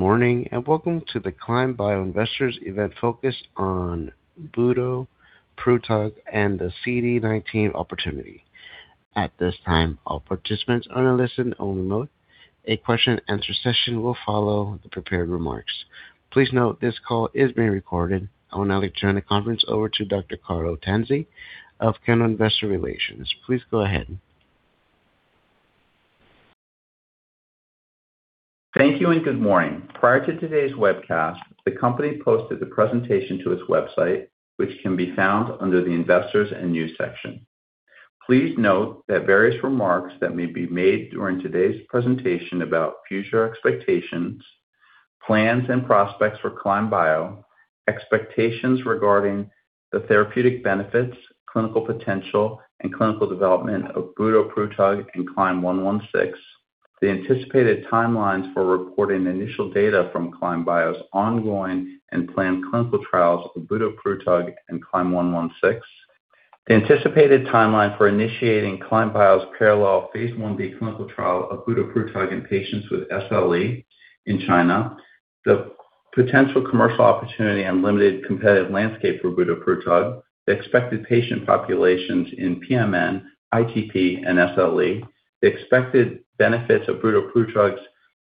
Good morning, welcome to the Climb Bio investors event focused on budoprutug and the CD19 opportunity. At this time, all participants are in a listen-only mode. A question and answer session will follow the prepared remarks. Please note this call is being recorded. I will now turn the conference over to Dr. Carlo Tanzi of Kendall Investor Relations. Please go ahead. Thank you and good morning. Prior to today's webcast, the company posted the presentation to its website, which can be found under the Investors and News section. Please note that various remarks that may be made during today's presentation about future expectations, plans and prospects for Climb Bio, expectations regarding the therapeutic benefits, clinical potential and clinical development of budoprutug and CLYM116, the anticipated timelines for reporting initial data from Climb Bio's ongoing and planned clinical trials of budoprutug and CLYM116, the anticipated timeline for initiating Climb Bio's parallel phase 1b clinical trial of budoprutug in patients with SLE in China, the potential commercial opportunity and limited competitive landscape for budoprutug, the expected patient populations in pMN, ITP, and SLE, the expected benefits of budoprutug's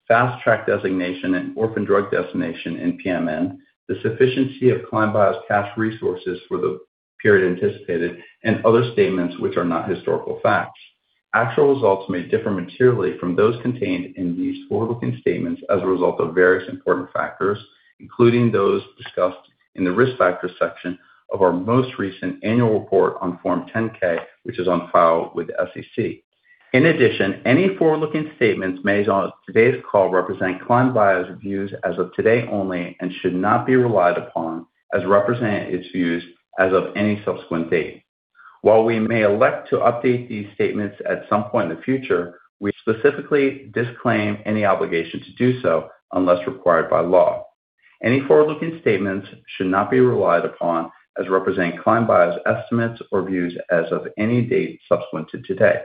Fast Track Designation and Orphan Drug Designation in pMN, the sufficiency of Climb Bio's cash resources for the period anticipated, and other statements which are not historical facts. Actual results may differ materially from those contained in these forward-looking statements as a result of various important factors, including those discussed in the Risk Factors section of our most recent annual report on Form 10-K, which is on file with the SEC. In addition, any forward-looking statements made on today's call represent Climb Bio's views as of today only and should not be relied upon as representing its views as of any subsequent date. While we may elect to update these statements at some point in the future, we specifically disclaim any obligation to do so unless required by law. Any forward-looking statements should not be relied upon as representing Climb Bio's estimates or views as of any date subsequent to today.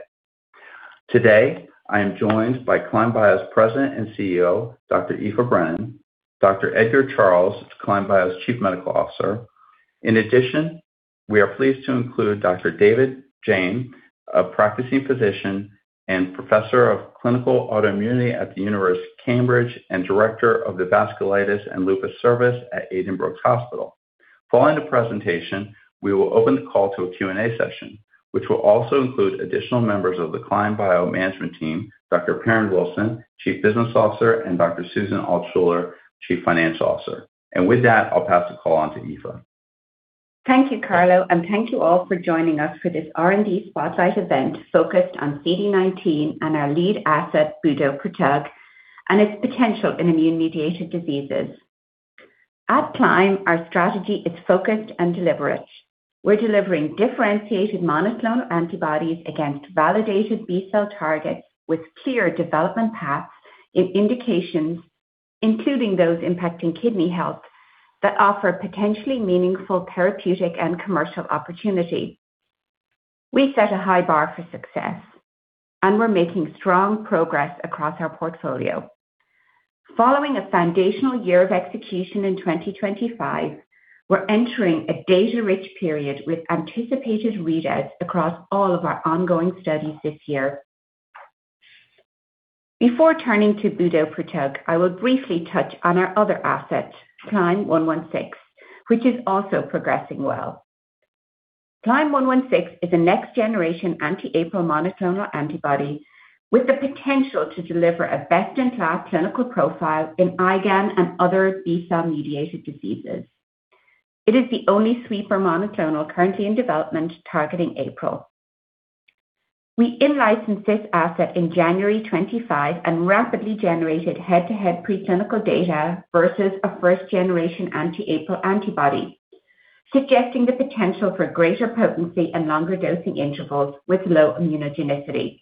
Today, I am joined by Climb Bio's President and CEO, Dr. Aoife Brennan, Dr. Edgar Charles, Climb Bio's Chief Medical Officer. In addition, we are pleased to include Dr. David Jayne, a practicing physician and professor of clinical autoimmunity at the University of Cambridge, and Director of the Vasculitis and Lupus Service at Addenbrooke's Hospital. Following the presentation, we will open the call to a Q&A session, which will also include additional members of the Climb Bio management team, Dr. Perrin Wilson, Chief Business Officer, and Dr. Susan Altschuller, Chief Financial Officer. With that, I'll pass the call on to Aoife. Thank you, Carlo, and thank you all for joining us for this R&D spotlight event focused on CD19 and our lead asset, budoprutug, and its potential in immune-mediated diseases. At Climb, our strategy is focused and deliberate. We're delivering differentiated monoclonal antibodies against validated B-cell targets with clear development paths in indications, including those impacting kidney health, that offer potentially meaningful therapeutic and commercial opportunity. We set a high bar for success, and we're making strong progress across our portfolio. Following a foundational year of execution in 2025, we're entering a data-rich period with anticipated readouts across all of our ongoing studies this year. Before turning to budoprutug, I will briefly touch on our other asset, CLYM116, which is also progressing well. CLYM116 is a next-generation anti-APRIL monoclonal antibody with the potential to deliver a best-in-class clinical profile in IgAN and other B-cell mediated diseases. It is the only sweeper monoclonal currently in development targeting APRIL. We in-licensed this asset in January 25 and rapidly generated head-to-head preclinical data versus a first-generation anti-APRIL antibody, suggesting the potential for greater potency and longer dosing intervals with low immunogenicity.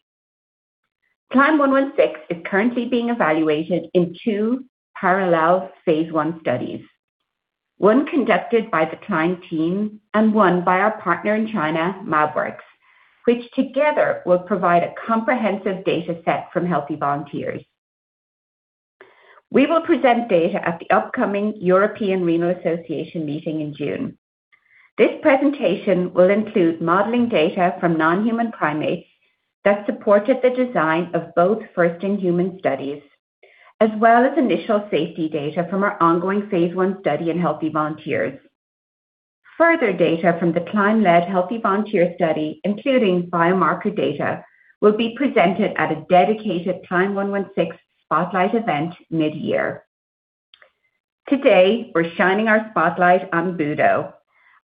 CLYM116 is currently being evaluated in two parallel phase I studies, one conducted by the Climb team and one by our partner in China, MabWorks, which together will provide a comprehensive data set from healthy volunteers. We will present data at the upcoming European Renal Association meeting in June. This presentation will include modeling data from non-human primates that supported the design of both first-in-human studies, as well as initial safety data from our ongoing phase I study in healthy volunteers. Further data from the Climb-led healthy volunteer study, including biomarker data, will be presented at a dedicated CLYM116 spotlight event mid-year. Today, we're shining our spotlight on budo,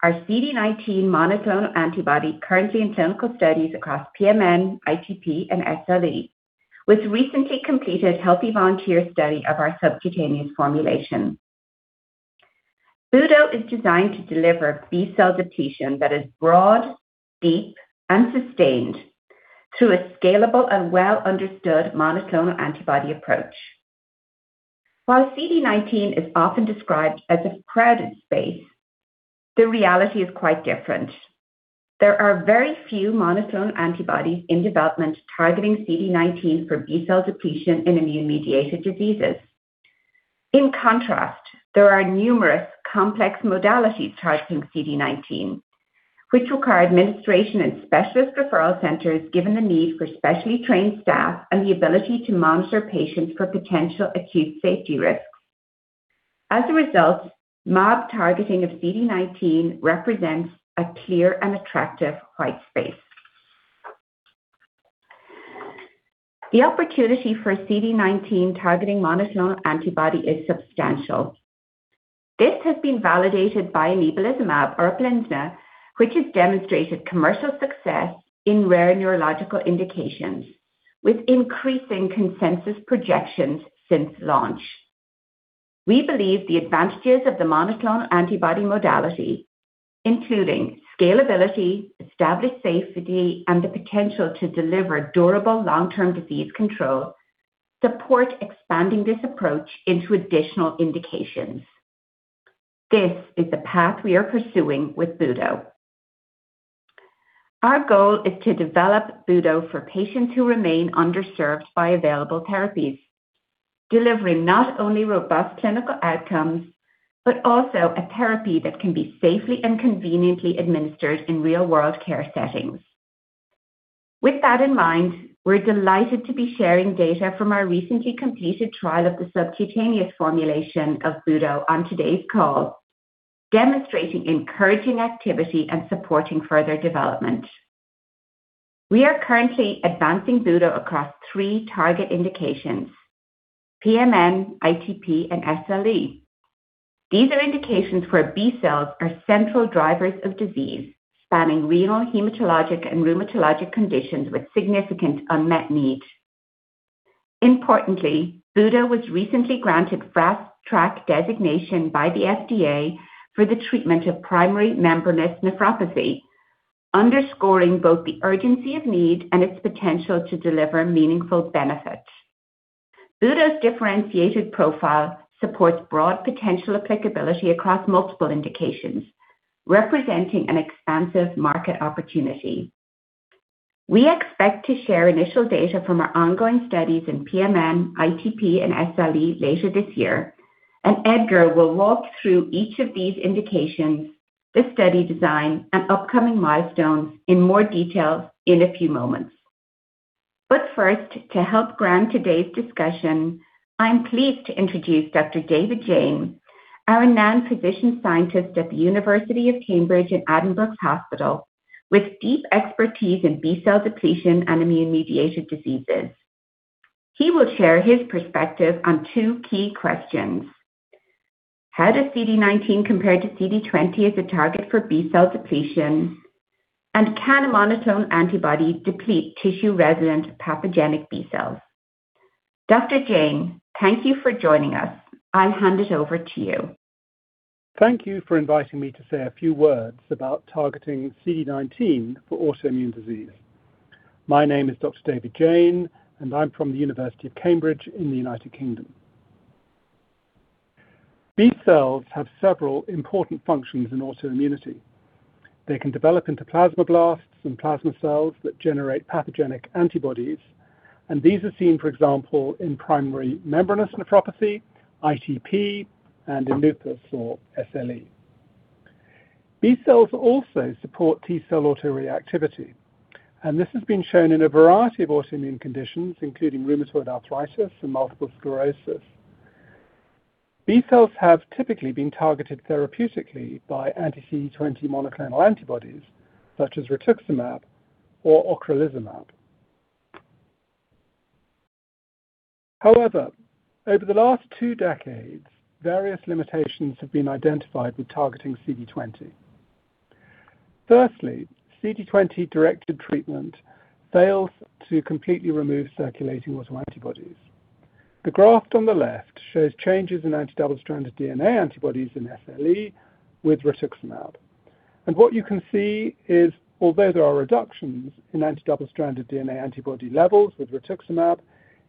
our CD19 monoclonal antibody currently in clinical studies across pMN, ITP, and SLE, with recently completed healthy volunteer study of our subcutaneous formulation. Budo is designed to deliver B-cell depletion that is broad, deep, and sustained through a scalable and well-understood monoclonal antibody approach. While CD19 is often described as a crowded space, the reality is quite different. There are very few monoclonal antibodies in development targeting CD19 for B-cell depletion in immune-mediated diseases. In contrast, there are numerous complex modalities targeting CD19, which require administration in specialist referral centers given the need for specially trained staff and the ability to monitor patients for potential acute safety risks. As a result, mAb targeting of CD19 represents a clear and attractive white space. The opportunity for CD19 targeting monoclonal antibody is substantial. This has been validated by inebilizumab or UPLIZNA, which has demonstrated commercial success in rare neurological indications with increasing consensus projections since launch. We believe the advantages of the monoclonal antibody modality, including scalability, established safety, and the potential to deliver durable long-term disease control, support expanding this approach into additional indications. This is the path we are pursuing with budo. Our goal is to develop budo for patients who remain underserved by available therapies, delivering not only robust clinical outcomes, but also a therapy that can be safely and conveniently administered in real-world care settings. With that in mind, we're delighted to be sharing data from our recently completed trial of the subcutaneous formulation of budo on today's call, demonstrating encouraging activity and supporting further development. We are currently advancing budo across thee target indications, pMN, ITP, and SLE. These are indications where B cells are central drivers of disease, spanning renal, hematologic, and rheumatologic conditions with significant unmet need. Importantly, budo was recently granted Fast Track Designation by the FDA for the treatment of primary membranous nephropathy, underscoring both the urgency of need and its potential to deliver meaningful benefits. Budo's differentiated profile supports broad potential applicability across multiple indications, representing an expansive market opportunity. We expect to share initial data from our ongoing studies in pMN, ITP, and SLE later this year. Edgar will walk through each of these indications, the study design, and upcoming milestones in more detail in a few moments. First, to help ground today's discussion, I'm pleased to introduce Dr. David Jayne, our renowned physician scientist at the University of Cambridge in Addenbrooke's Hospital, with deep expertise in B-cell depletion and immune-mediated diseases. He will share his perspective on two key questions. How does CD19 compare to CD20 as a target for B-cell depletion? Can a monoclonal antibody deplete tissue-resident pathogenic B cells? Dr. Jayne, thank you for joining us. I'll hand it over to you. Thank you for inviting me to say a few words about targeting CD19 for autoimmune disease. My name is Dr. David Jayne, and I am from the University of Cambridge in the U.K. B cells have several important functions in autoimmunity. They can develop into plasmablasts and plasma cells that generate pathogenic antibodies. These are seen, for example, in primary membranous nephropathy, ITP, and in lupus or SLE. B cells also support T cell autoreactivity. This has been shown in a variety of autoimmune conditions, including rheumatoid arthritis and multiple sclerosis. B cells have typically been targeted therapeutically by anti-CD20 monoclonal antibodies, such as rituximab or ocrelizumab. However, over the last two decades, various limitations have been identified with targeting CD20. Firstly, CD20-directed treatment fails to completely remove circulating autoantibodies. The graph on the left shows changes in anti-double stranded DNA antibodies in SLE with rituximab. What you can see is although there are reductions in anti-double stranded DNA antibody levels with rituximab,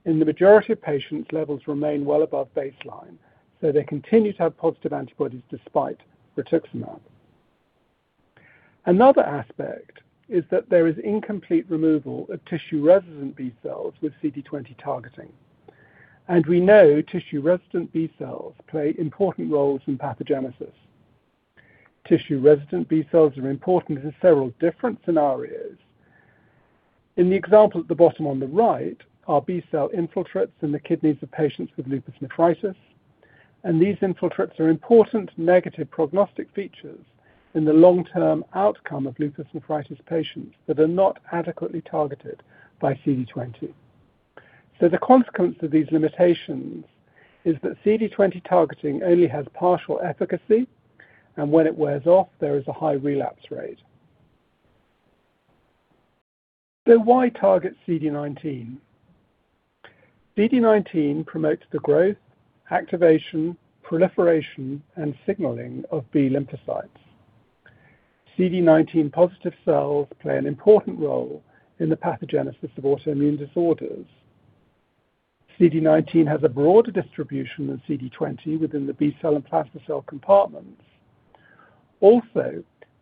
in the majority of patients, levels remain well above baseline, so they continue to have positive antibodies despite rituximab. Another aspect is that there is incomplete removal of tissue-resident B cells with CD20 targeting, and we know tissue-resident B cells play important roles in pathogenesis. Tissue-resident B cells are important in several different scenarios. In the example at the bottom on the right are B-cell infiltrates in the kidneys of patients with lupus nephritis, and these infiltrates are important negative prognostic features in the long-term outcome of lupus nephritis patients that are not adequately targeted by CD20. The consequence of these limitations is that CD20 targeting only has partial efficacy, and when it wears off, there is a high relapse rate. Why target CD19? CD19 promotes the growth, activation, proliferation, and signaling of B lymphocytes. CD19-positive cells play an important role in the pathogenesis of autoimmune disorders. CD19 has a broader distribution than CD20 within the B-cell and plasma cell compartments.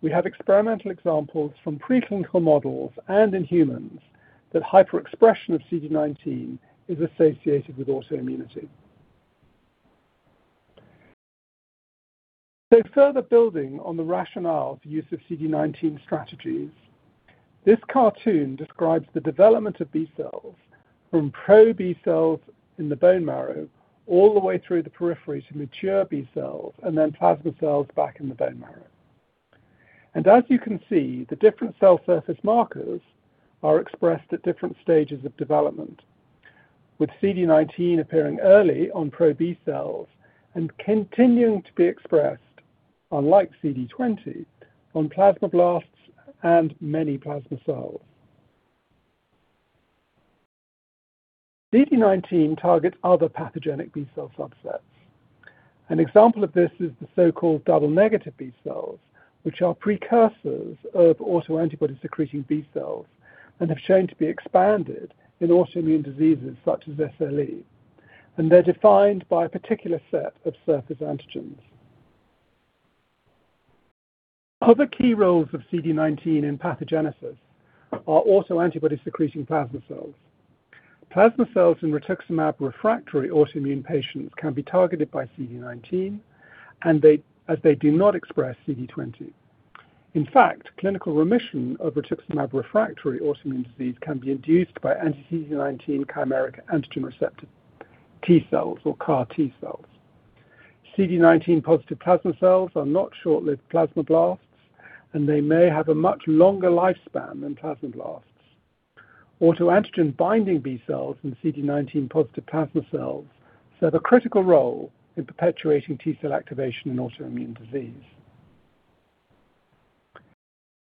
We have experimental examples from preclinical models and in humans that hyperexpression of CD19 is associated with autoimmunity. Further building on the rationale for use of CD19 strategies, this cartoon describes the development of B cells from pro-B cells in the bone marrow all the way through the periphery to mature B cells and then plasma cells back in the bone marrow. As you can see, the different cell surface markers are expressed at different stages of development, with CD19 appearing early on pro-B cells and continuing to be expressed, unlike CD20, on plasmablasts and many plasma cells. CD19 targets other pathogenic B-cell subsets. An example of this is the so-called double-negative B cells, which are precursors of autoantibody-secreting B cells and have shown to be expanded in autoimmune diseases such as SLE, they're defined by a particular set of surface antigens. Other key roles of CD19 in pathogenesis are autoantibody-secreting plasma cells. Plasma cells in rituximab-refractory autoimmune patients can be targeted by CD19, as they do not express CD20. Clinical remission of rituximab-refractory autoimmune disease can be induced by anti-CD19 chimeric antigen receptor T cells or CAR T cells. CD19-positive plasma cells are not short-lived plasmablasts, they may have a much longer lifespan than plasmablasts. Autoantigen-binding B cells in CD19-positive plasma cells serve a critical role in perpetuating T cell activation in autoimmune disease.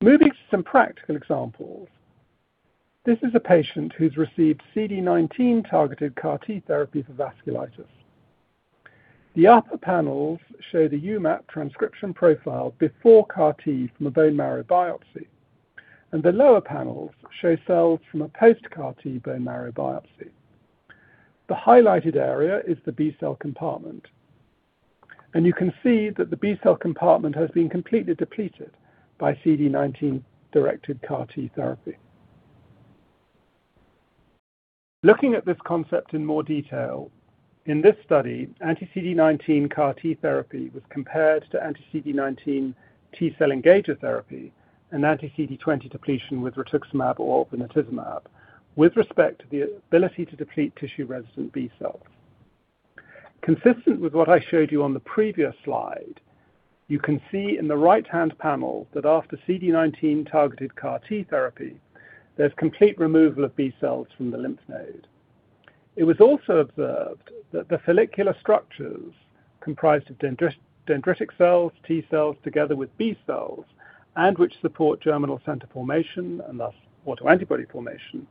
Moving to some practical examples. This is a patient who's received CD19-targeted CAR T therapy for vasculitis. The upper panels show the UMAP transcription profile before CAR T from a bone marrow biopsy, and the lower panels show cells from a post-CAR T bone marrow biopsy. The highlighted area is the B-cell compartment, and you can see that the B-cell compartment has been completely depleted by CD19-directed CAR T therapy. Looking at this concept in more detail, in this study, anti-CD19 CAR T therapy was compared to anti-CD19 T cell engager therapy and anti-CD20 depletion with rituximab or ofatumumab with respect to the ability to deplete tissue-resident B cells. Consistent with what I showed you on the previous slide, you can see in the right-hand panel that after CD19-targeted CAR T therapy, there's complete removal of B cells from the lymph node. It was also observed that the follicular structures comprised of dendritic cells, T cells together with B cells, and which support germinal center formation and thus autoantibody formation,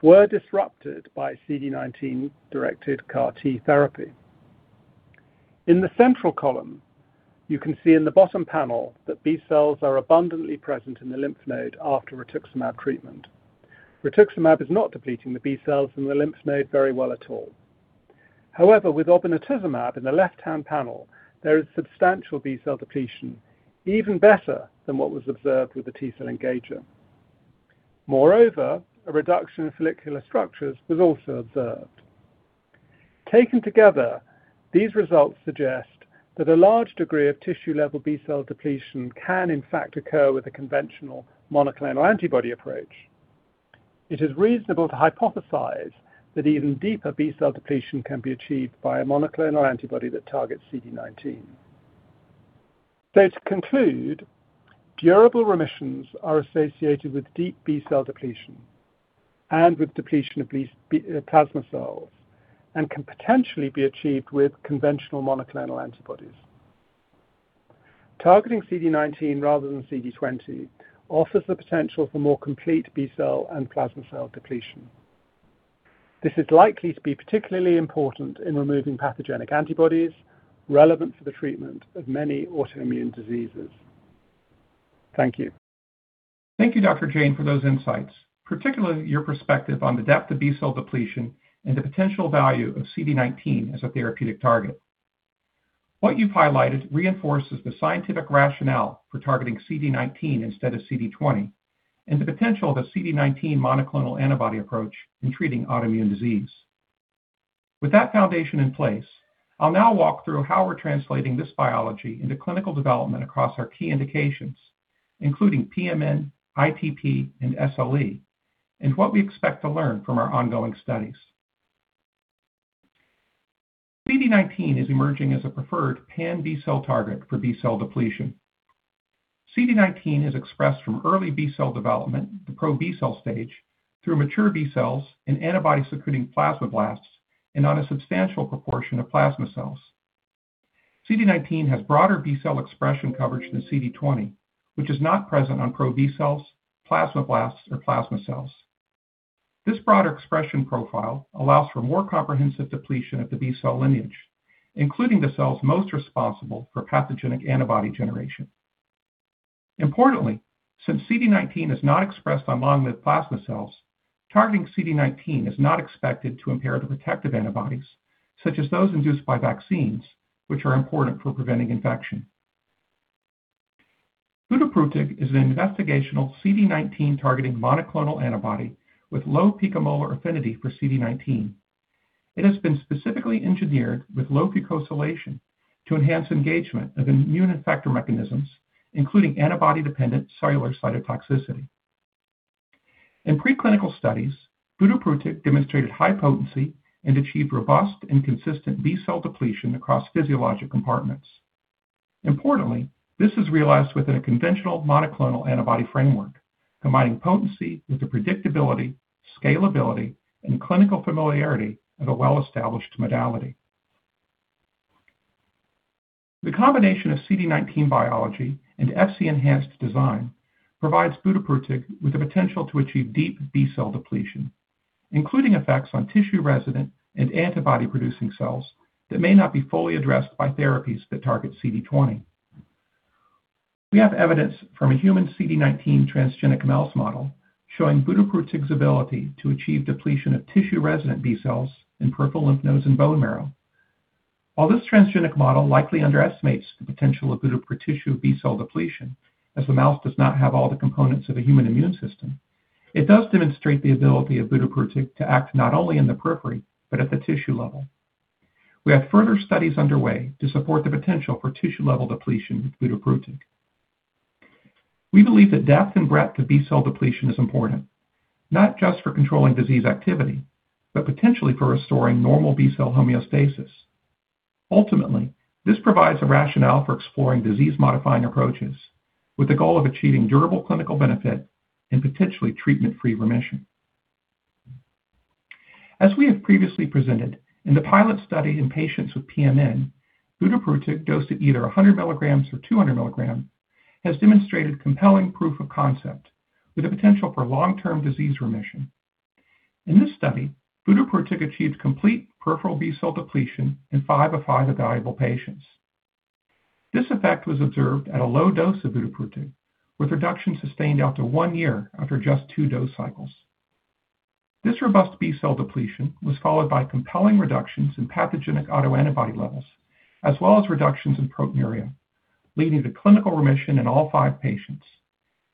were disrupted by CD19-directed CAR T therapy. In the central column, you can see in the bottom panel that B cells are abundantly present in the lymph node after rituximab treatment. Rituximab is not depleting the B cells in the lymph node very well at all. With ofatumumab in the left-hand panel, there is substantial B-cell depletion, even better than what was observed with the T-cell engager. A reduction in follicular structures was also observed. Taken together, these results suggest that a large degree of tissue-level B-cell depletion can in fact occur with a conventional monoclonal antibody approach. It is reasonable to hypothesize that even deeper B-cell depletion can be achieved by a monoclonal antibody that targets CD19. To conclude, durable remissions are associated with deep B-cell depletion and with depletion of plasma cells and can potentially be achieved with conventional monoclonal antibodies. Targeting CD19 rather than CD20 offers the potential for more complete B-cell and plasma cell depletion. This is likely to be particularly important in removing pathogenic antibodies relevant for the treatment of many autoimmune diseases. Thank you. Thank you, Dr. Jayne, for those insights, particularly your perspective on the depth of B-cell depletion and the potential value of CD19 as a therapeutic target. What you've highlighted reinforces the scientific rationale for targeting CD19 instead of CD20 and the potential of a CD19 monoclonal antibody approach in treating autoimmune disease. With that foundation in place, I'll now walk through how we're translating this biology into clinical development across our key indications, including pMN, ITP, and SLE, and what we expect to learn from our ongoing studies. CD19 is emerging as a preferred pan-B-cell target for B-cell depletion. CD19 is expressed from early B-cell development, the pro-B-cell stage, through mature B cells and antibody-secreting plasmablasts and on a substantial proportion of plasma cells. CD19 has broader B-cell expression coverage than CD20, which is not present on pro-B cells, plasmablasts, or plasma cells. This broader expression profile allows for more comprehensive depletion of the B-cell lineage, including the cells most responsible for pathogenic antibody generation. Importantly, since CD19 is not expressed on long-lived plasma cells, targeting CD19 is not expected to impair the protective antibodies, such as those induced by vaccines, which are important for preventing infection. Budoprutug is an investigational CD19-targeting monoclonal antibody with low picomolar affinity for CD19. It has been specifically engineered with low fucosylation to enhance engagement of immune effector mechanisms, including antibody-dependent cellular cytotoxicity. In preclinical studies, budoprutug demonstrated high potency and achieved robust and consistent B-cell depletion across physiologic compartments. Importantly, this is realized within a conventional monoclonal antibody framework, combining potency with the predictability, scalability, and clinical familiarity of a well-established modality. The combination of CD19 biology and FC enhanced design provides budoprutug with the potential to achieve deep B-cell depletion, including effects on tissue-resident and antibody-producing cells that may not be fully addressed by therapies that target CD20. We have evidence from a human CD19 transgenic mouse model showing budoprutug's ability to achieve depletion of tissue-resident B cells in peripheral lymph nodes and bone marrow. While this transgenic model likely underestimates the potential of budoprutug tissue B-cell depletion, as the mouse does not have all the components of a human immune system, it does demonstrate the ability of budoprutug to act not only in the periphery but at the tissue level. We have further studies underway to support the potential for tissue-level depletion with budoprutug. We believe that depth and breadth of B-cell depletion is important, not just for controlling disease activity, but potentially for restoring normal B-cell homeostasis. Ultimately, this provides a rationale for exploring disease-modifying approaches with the goal of achieving durable clinical benefit and potentially treatment-free remission. As we have previously presented in the pilot study in patients with pMN, budoprutug dosed at either 100 mg or 200 mg has demonstrated compelling proof of concept with the potential for long-term disease remission. In this study, budoprutug achieved complete peripheral B-cell depletion in five of five evaluable patients. This effect was observed at a low dose of budoprutug, with reduction sustained out to one year after just two dose cycles. This robust B-cell depletion was followed by compelling reductions in pathogenic autoantibody levels as well as reductions in proteinuria, leading to clinical remission in all five patients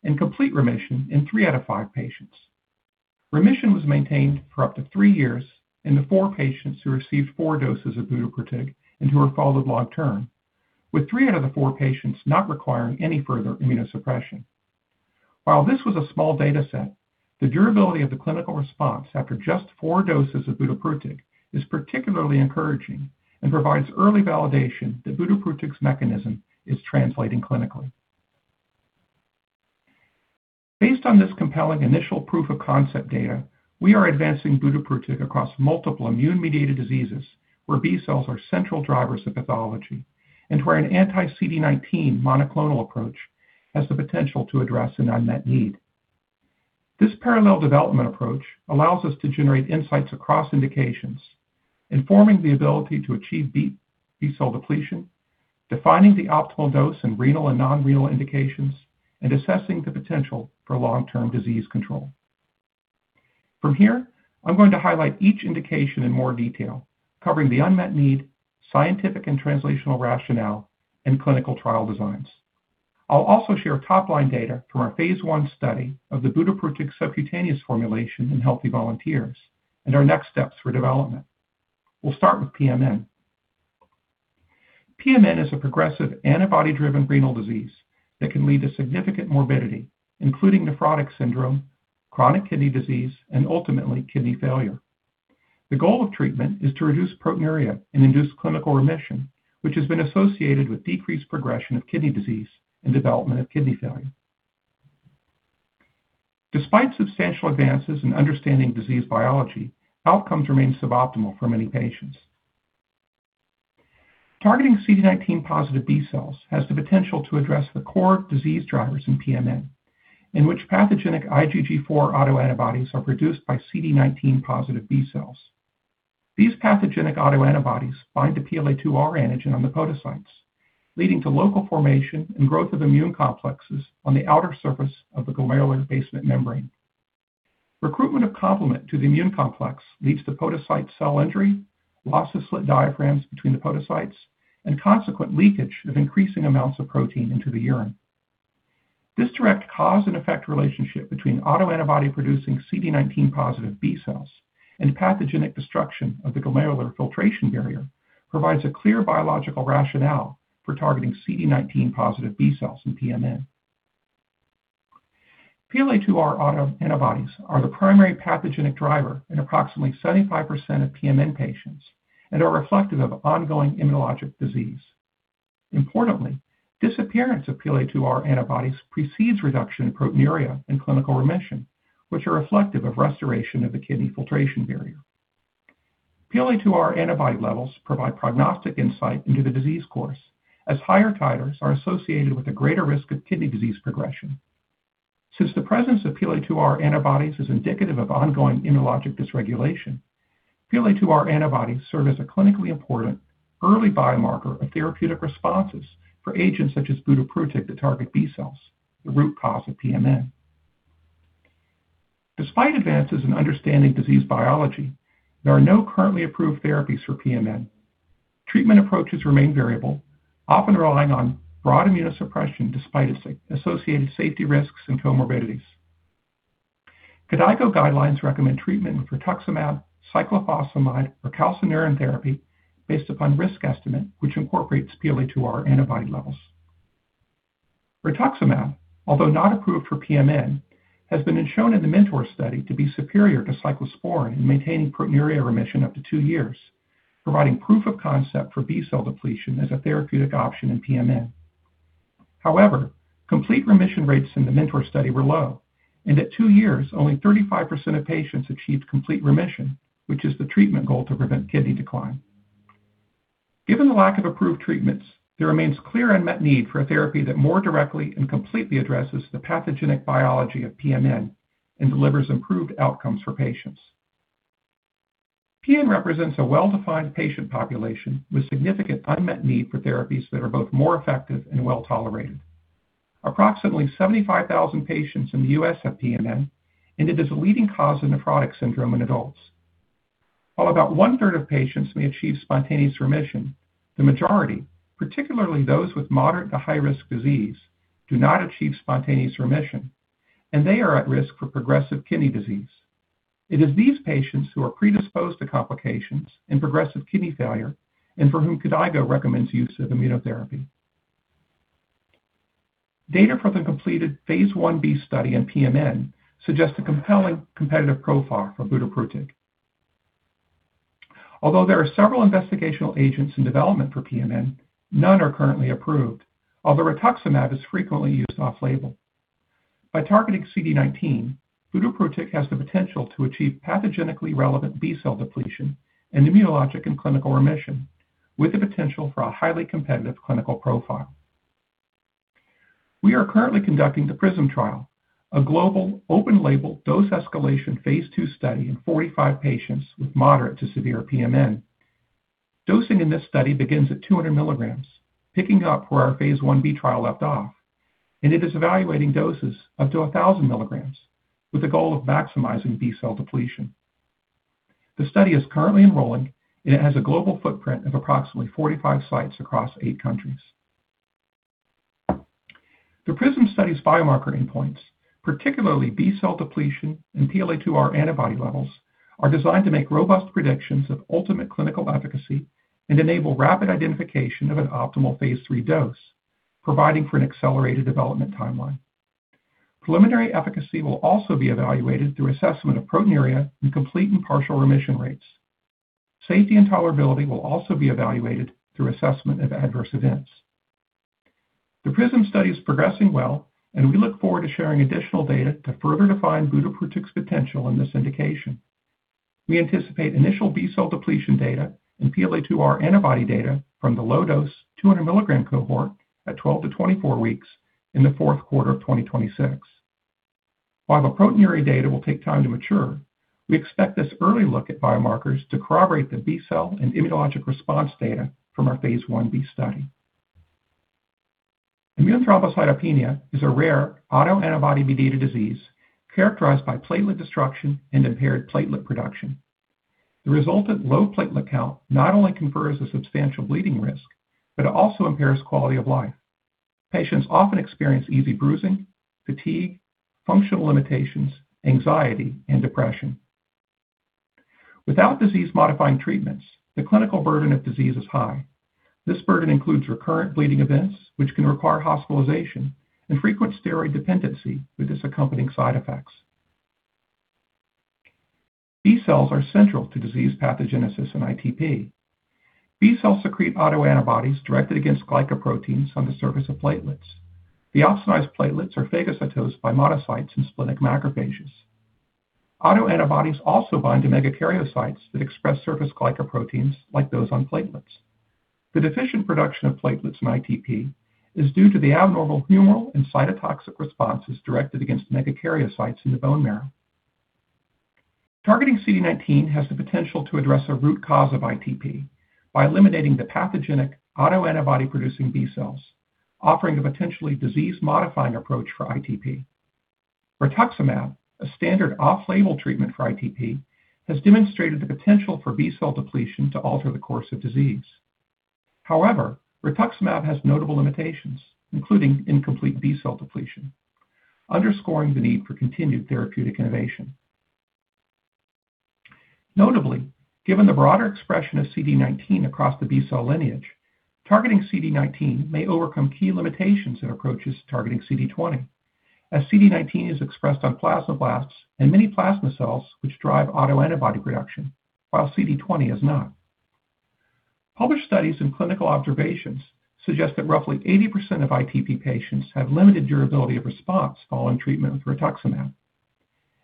and complete remission in three out of five patients. Remission was maintained for up to three years in the four patients who received four doses of budoprutug and who were followed long term, with three out of the four patients not requiring any further immunosuppression. This was a small data set, the durability of the clinical response after just four doses of budoprutug is particularly encouraging and provides early validation that budoprutug's mechanism is translating clinically. Based on this compelling initial proof of concept data, we are advancing budoprutug across multiple immune-mediated diseases where B cells are central drivers of pathology and where an anti-CD19 monoclonal approach has the potential to address an unmet need. This parallel development approach allows us to generate insights across indications, informing the ability to achieve B-cell depletion, defining the optimal dose in renal and non-renal indications, and assessing the potential for long-term disease control. I'm going to highlight each indication in more detail, covering the unmet need, scientific and translational rationale, and clinical trial designs. I'll also share top-line data from our phase I study of the budoprutug subcutaneous formulation in healthy volunteers and our next steps for development. We'll start with pMN. pMN is a progressive antibody-driven renal disease that can lead to significant morbidity, including nephrotic syndrome, chronic kidney disease, and ultimately kidney failure. The goal of treatment is to reduce proteinuria and induce clinical remission, which has been associated with decreased progression of kidney disease and development of kidney failure. Despite substantial advances in understanding disease biology, outcomes remain suboptimal for many patients. Targeting CD19-positive B cells has the potential to address the core disease drivers in pMN, in which pathogenic IgG4 autoantibodies are produced by CD19-positive B cells. These pathogenic autoantibodies bind the PLA2R antigen on the podocytes, leading to local formation and growth of immune complexes on the outer surface of the glomerular basement membrane. Recruitment of complement to the immune complex leads to podocyte cell injury, loss of slit diaphragms between the podocytes, and consequent leakage of increasing amounts of protein into the urine. This direct cause-and-effect relationship between autoantibody-producing CD19-positive B cells and pathogenic destruction of the glomerular filtration barrier provides a clear biological rationale for targeting CD19-positive B cells in pMN. PLA2R autoantibodies are the primary pathogenic driver in approximately 75% of pMN patients and are reflective of ongoing immunologic disease. Importantly, disappearance of PLA2R antibodies precedes reduction in proteinuria and clinical remission, which are reflective of restoration of the kidney filtration barrier. PLA2R antibody levels provide prognostic insight into the disease course, as higher titers are associated with a greater risk of kidney disease progression. Since the presence of PLA2R antibodies is indicative of ongoing immunologic dysregulation, PLA2R antibodies serve as a clinically important early biomarker of therapeutic responses for agents such as budoprutug that target B cells, the root cause of pMN. Despite advances in understanding disease biology, there are no currently approved therapies for pMN. Treatment approaches remain variable, often relying on broad immunosuppression despite its associated safety risks and comorbidities. KDIGO guidelines recommend treatment with rituximab, cyclophosphamide, or calcineurin therapy based upon risk estimate, which incorporates PLA2R antibody levels. Rituximab, although not approved for pMN, has been shown in the MENTOR study to be superior to cyclosporine in maintaining proteinuria remission up to two years, providing proof of concept for B-cell depletion as a therapeutic option in pMN. However, complete remission rates in the MENTOR study were low, and at two years, only 35% of patients achieved complete remission, which is the treatment goal to prevent kidney decline. Given the lack of approved treatments, there remains clear unmet need for a therapy that more directly and completely addresses the pathogenic biology of pMN and delivers improved outcomes for patients. PM represents a well-defined patient population with significant unmet need for therapies that are both more effective and well-tolerated. Approximately 75,000 patients in the U.S. have pMN, and it is a leading cause of nephrotic syndrome in adults. While about 1/3 of patients may achieve spontaneous remission, the majority, particularly those with moderate to high-risk disease, do not achieve spontaneous remission, and they are at risk for progressive kidney disease. It is these patients who are predisposed to complications and progressive kidney failure and for whom KDIGO recommends use of immunotherapy. Data from the completed phase 1b study in pMN suggests a compelling competitive profile for budoprutug. Although there are several investigational agents in development for pMN, none are currently approved, although rituximab is frequently used off-label. By targeting CD19, budoprutug has the potential to achieve pathogenically relevant B-cell depletion and immunologic and clinical remission with the potential for a highly competitive clinical profile. We are currently conducting the PRISM trial, a global open-label dose escalation phase II study in 45 patients with moderate to severe pMN. Dosing in this study begins at 200 mg, picking up where our phase 1b trial left off, and it is evaluating doses up to 1,000 mg with the goal of maximizing B-cell depletion. The study is currently enrolling, and it has a global footprint of approximately 45 sites across eight countries. The PRISM study's biomarker endpoints, particularly B-cell depletion and PLA2R antibody levels, are designed to make robust predictions of ultimate clinical efficacy and enable rapid identification of an optimal Phase III dose, providing for an accelerated development timeline. Preliminary efficacy will also be evaluated through assessment of proteinuria and complete and partial remission rates. Safety and tolerability will also be evaluated through assessment of adverse events. The PRISM study is progressing well, and we look forward to sharing additional data to further define budoprutug's potential in this indication. We anticipate initial B-cell depletion data and PLA2R antibody data from the low dose 200 mg cohort at 12-24 weeks in the fourth quarter of 2026. While the proteinuria data will take time to mature, we expect this early look at biomarkers to corroborate the B-cell and immunologic response data from our phase 1b study. Immune thrombocytopenia is a rare autoantibody mediated disease characterized by platelet destruction and impaired platelet production. The resultant low platelet count not only confers a substantial bleeding risk but also impairs quality of life. Patients often experience easy bruising, fatigue, functional limitations, anxiety, and depression. Without disease-modifying treatments, the clinical burden of disease is high. This burden includes recurrent bleeding events, which can require hospitalization and frequent steroid dependency with its accompanying side effects. B cells are central to disease pathogenesis in ITP. B cells secrete autoantibodies directed against glycoproteins on the surface of platelets. The opsonized platelets are phagocytosed by monocytes and splenic macrophages. Autoantibodies also bind to megakaryocytes that express surface glycoproteins like those on platelets. The deficient production of platelets in ITP is due to the abnormal humoral and cytotoxic responses directed against megakaryocytes in the bone marrow. Targeting CD19 has the potential to address a root cause of ITP by eliminating the pathogenic autoantibody-producing B cells, offering a potentially disease-modifying approach for ITP. rituximab, a standard off-label treatment for ITP, has demonstrated the potential for B-cell depletion to alter the course of disease. However, rituximab has notable limitations, including incomplete B-cell depletion, underscoring the need for continued therapeutic innovation. Notably, given the broader expression of CD19 across the B-cell lineage, targeting CD19 may overcome key limitations in approaches targeting CD20 as CD19 is expressed on plasmablasts and many plasma cells which drive autoantibody production, while CD20 is not. Published studies and clinical observations suggest that roughly 80% of ITP patients have limited durability of response following treatment with rituximab.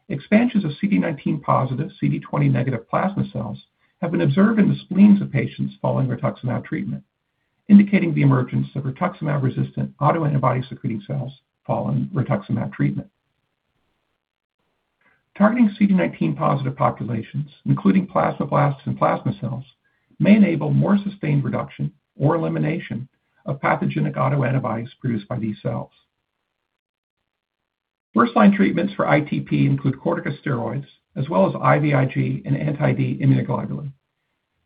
Expansions of CD19-positive, CD20-negative plasma cells have been observed in the spleens of patients following rituximab treatment, indicating the emergence of rituximab-resistant autoantibody-secreting cells following rituximab treatment. Targeting CD19-positive populations, including plasmablasts and plasma cells, may enable more sustained reduction or elimination of pathogenic autoantibodies produced by these cells. First-line treatments for ITP include corticosteroids as well as IVIG and anti-D immunoglobulin.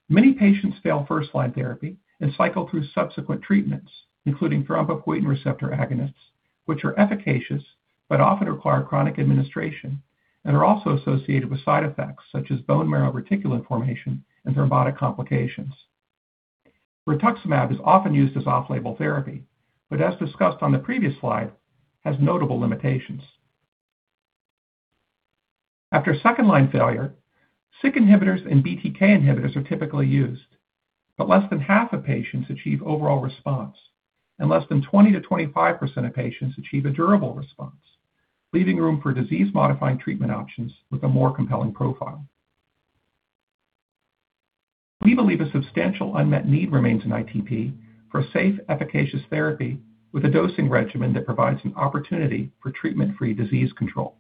Many patients fail first-line therapy and cycle through subsequent treatments, including thrombopoietin receptor agonists, which are efficacious but often require chronic administration and are also associated with side effects such as bone marrow reticular formation and thrombotic complications. Rituximab is often used as off-label therapy, but as discussed on the previous slide, has notable limitations. After second-line failure, Syk inhibitors and BTK inhibitors are typically used, but less than half of patients achieve overall response, and less than 20%-25% of patients achieve a durable response, leaving room for disease-modifying treatment options with a more compelling profile. We believe a substantial unmet need remains in ITP for safe, efficacious therapy with a dosing regimen that provides an opportunity for treatment-free disease control.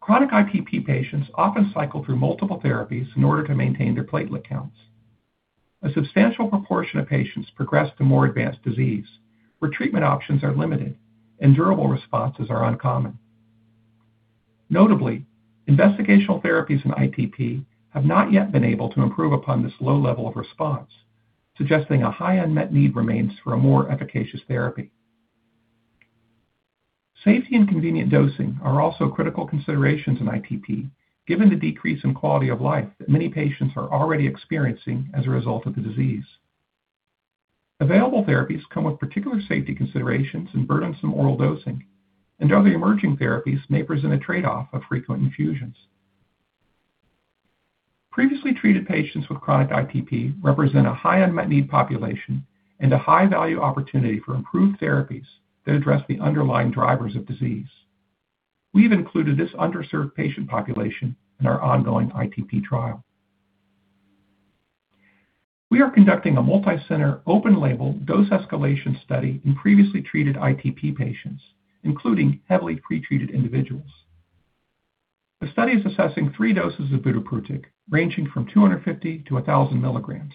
Chronic ITP patients often cycle through multiple therapies in order to maintain their platelet counts. A substantial proportion of patients progress to more advanced disease, where treatment options are limited and durable responses are uncommon. Notably, investigational therapies in ITP have not yet been able to improve upon this low level of response, suggesting a high unmet need remains for a more efficacious therapy. Safety and convenient dosing are also critical considerations in ITP, given the decrease in quality of life that many patients are already experiencing as a result of the disease. Available therapies come with particular safety considerations and burdensome oral dosing, other emerging therapies may present a trade-off of frequent infusions. Previously treated patients with chronic ITP represent a high unmet need population and a high-value opportunity for improved therapies that address the underlying drivers of disease. We've included this underserved patient population in our ongoing ITP trial. We are conducting a multicenter, open-label dose escalation study in previously treated ITP patients, including heavily pretreated individuals. The study is assessing three doses of budoprutug, ranging from 250 mg-1,000 mg.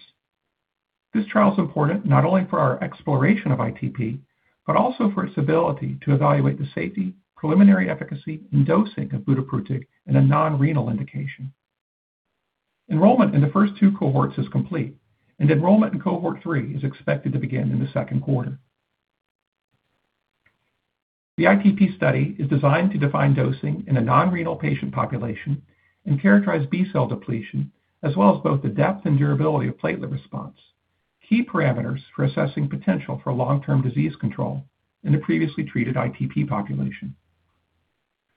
This trial is important not only for our exploration of ITP, but also for its ability to evaluate the safety, preliminary efficacy, and dosing of budoprutug in a non-renal indication. Enrollment in the first two cohorts is complete, and enrollment in cohort three is expected to begin in the second quarter. The ITP study is designed to define dosing in a non-renal patient population and characterize B-cell depletion, as well as both the depth and durability of platelet response, key parameters for assessing potential for long-term disease control in a previously treated ITP population.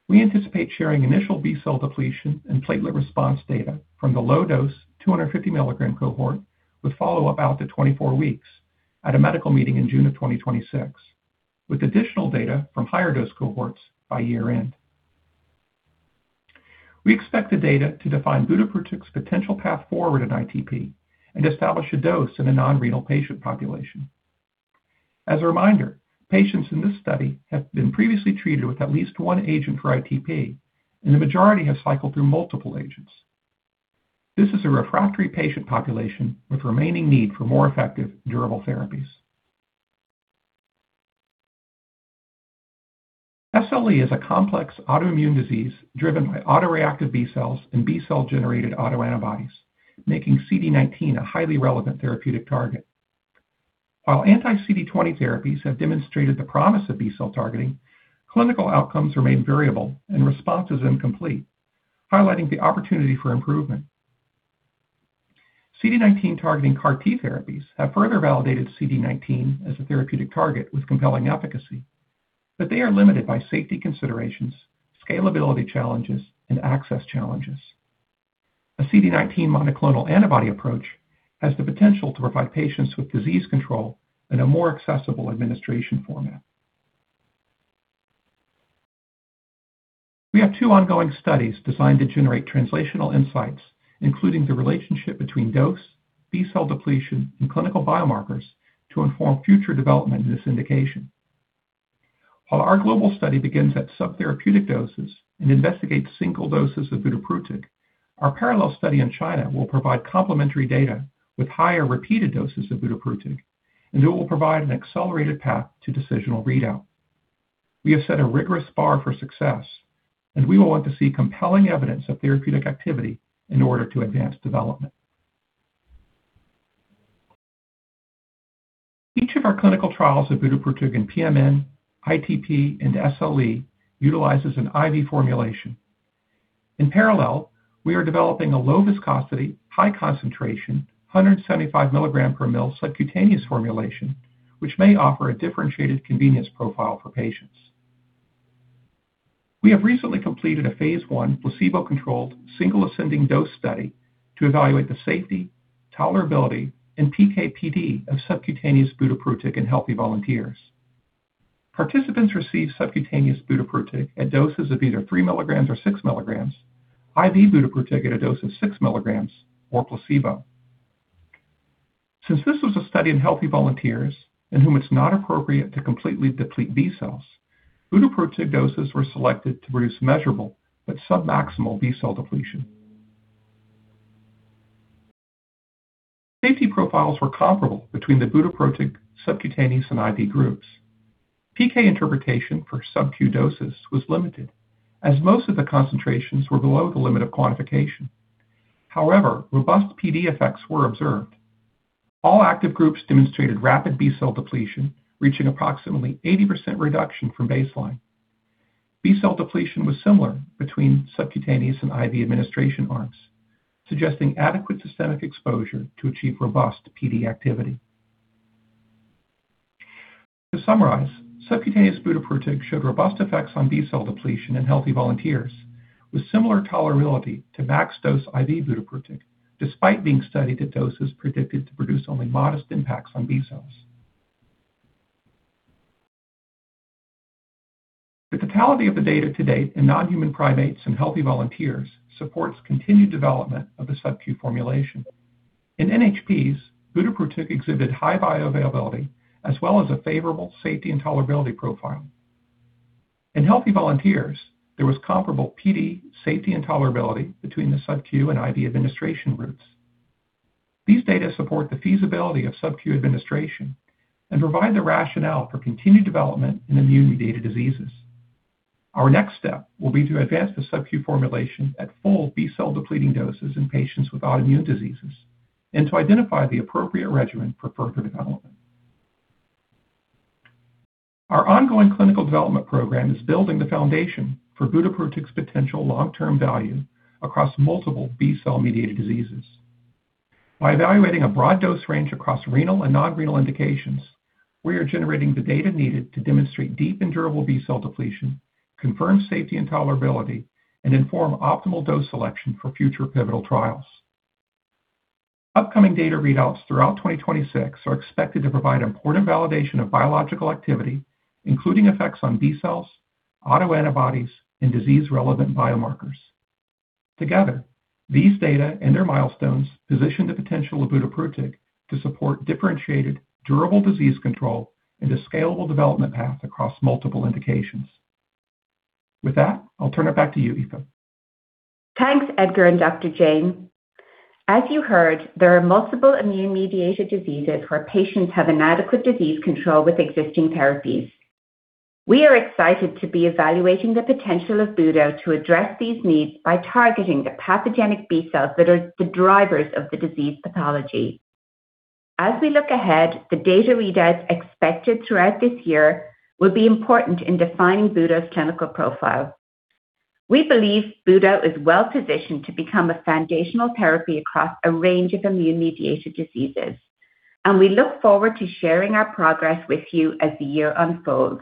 We anticipate sharing initial B-cell depletion and platelet response data from the low-dose 250 mg cohort with follow-up out to 24 weeks at a medical meeting in June of 2026, with additional data from higher dose cohorts by year-end. We expect the data to define budoprutug's potential path forward in ITP and establish a dose in a non-renal patient population. As a reminder, patients in this study have been previously treated with at least one agent for ITP, and the majority have cycled through multiple agents. This is a refractory patient population with remaining need for more effective, durable therapies. SLE is a complex autoimmune disease driven by autoreactive B cells and B-cell-generated autoantibodies, making CD19 a highly relevant therapeutic target. While anti-CD20 therapies have demonstrated the promise of B-cell targeting, clinical outcomes remain variable and responses incomplete, highlighting the opportunity for improvement. CD19-targeting CAR T therapies have further validated CD19 as a therapeutic target with compelling efficacy, but they are limited by safety considerations, scalability challenges, and access challenges. A CD19 monoclonal antibody approach has the potential to provide patients with disease control in a more accessible administration format. We have two ongoing studies designed to generate translational insights, including the relationship between dose, B-cell depletion, and clinical biomarkers to inform future development in this indication. While our global study begins at subtherapeutic doses and investigates single doses of budoprutug, our parallel study in China will provide complementary data with higher repeated doses of budoprutug, and it will provide an accelerated path to decisional readout. We have set a rigorous bar for success, and we will want to see compelling evidence of therapeutic activity in order to advance development. Each of our clinical trials of budoprutug in pMN, ITP, and SLE utilizes an IV formulation. In parallel, we are developing a low-viscosity, high-concentration, 175 mg/mL subcutaneous formulation, which may offer a differentiated convenience profile for patients. We have recently completed a phase I placebo-controlled single ascending dose study to evaluate the safety, tolerability, and PK/PD of subcutaneous budoprutug in healthy volunteers. Participants received subcutaneous budoprutug at doses of either 3 mg or 6 mg, IV budoprutug at a dose of 6 mg or placebo. Since this was a study in healthy volunteers in whom it's not appropriate to completely deplete B cells, budoprutug doses were selected to produce measurable but submaximal B-cell depletion. Safety profiles were comparable between the budoprutug subcutaneous and IV groups. PK interpretation for subq doses was limited, as most of the concentrations were below the limit of quantification. Robust PD effects were observed. All active groups demonstrated rapid B-cell depletion, reaching approximately 80% reduction from baseline. B-cell depletion was similar between subcutaneous and IV administration arms, suggesting adequate systemic exposure to achieve robust PD activity. To summarize, subcutaneous budoprutug showed robust effects on B-cell depletion in healthy volunteers, with similar tolerability to max dose IV budoprutug, despite being studied at doses predicted to produce only modest impacts on B cells. The totality of the data to date in non-human primates and healthy volunteers supports continued development of the subq formulation. In NHPs, budoprutug exhibited high bioavailability as well as a favorable safety and tolerability profile. In healthy volunteers, there was comparable PD safety and tolerability between the subq and IV administration routes. These data support the feasibility of subq administration and provide the rationale for continued development in immune-mediated diseases. Our next step will be to advance the subq formulation at full B-cell depleting doses in patients with autoimmune diseases and to identify the appropriate regimen for further development. Our ongoing clinical development program is building the foundation for budoprutug's potential long-term value across multiple B-cell-mediated diseases. By evaluating a broad dose range across renal and non-renal indications, we are generating the data needed to demonstrate deep and durable B-cell depletion, confirm safety and tolerability, and inform optimal dose selection for future pivotal trials. Upcoming data readouts throughout 2026 are expected to provide important validation of biological activity, including effects on B cells, autoantibodies, and disease-relevant biomarkers. Together, these data and their milestones position the potential of budoprutug to support differentiated durable disease control and a scalable development path across multiple indications. With that, I'll turn it back to you, Aoife. Thanks, Edgar and Dr. Jayne. As you heard, there are multiple immune-mediated diseases where patients have inadequate disease control with existing therapies. We are excited to be evaluating the potential of budo to address these needs by targeting the pathogenic B cells that are the drivers of the disease pathology. As we look ahead, the data readouts expected throughout this year will be important in defining budo's clinical profile. We believe budo is well-positioned to become a foundational therapy across a range of immune-mediated diseases, and we look forward to sharing our progress with you as the year unfolds.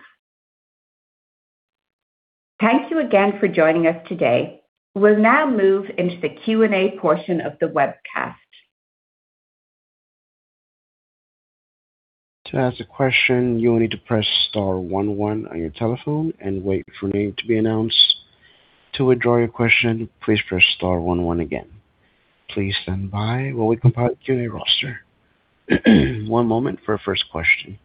Thank you again for joining us today. We'll now move into the Q&A portion of the webcast. To ask a question you will need to press star one one on your telephone and wait for your name to be announced. To withdraw your question please press star one one again. Please standby while we compile Q&A roster. One moment for our first question.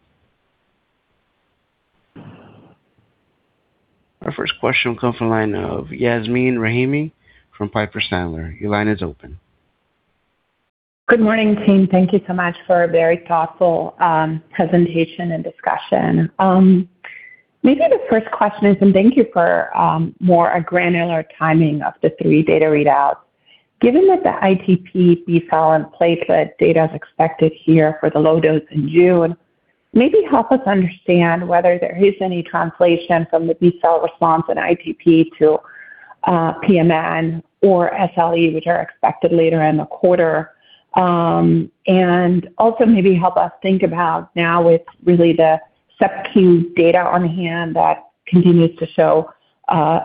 Our first question will come from the line of Yasmeen Rahimi from Piper Sandler. Your line is open. Good morning, team. Thank you so much for a very thoughtful presentation and discussion. Maybe the first question is, and thank you for more a granular timing of the three data readouts. Given that the ITP B-cell and platelet data is expected here for the low dose in June, maybe help us understand whether there is any translation from the B-cell response in ITP to pMN or SLE, which are expected later in the quarter. Also maybe help us think about now with really the subq data on hand that continues to show,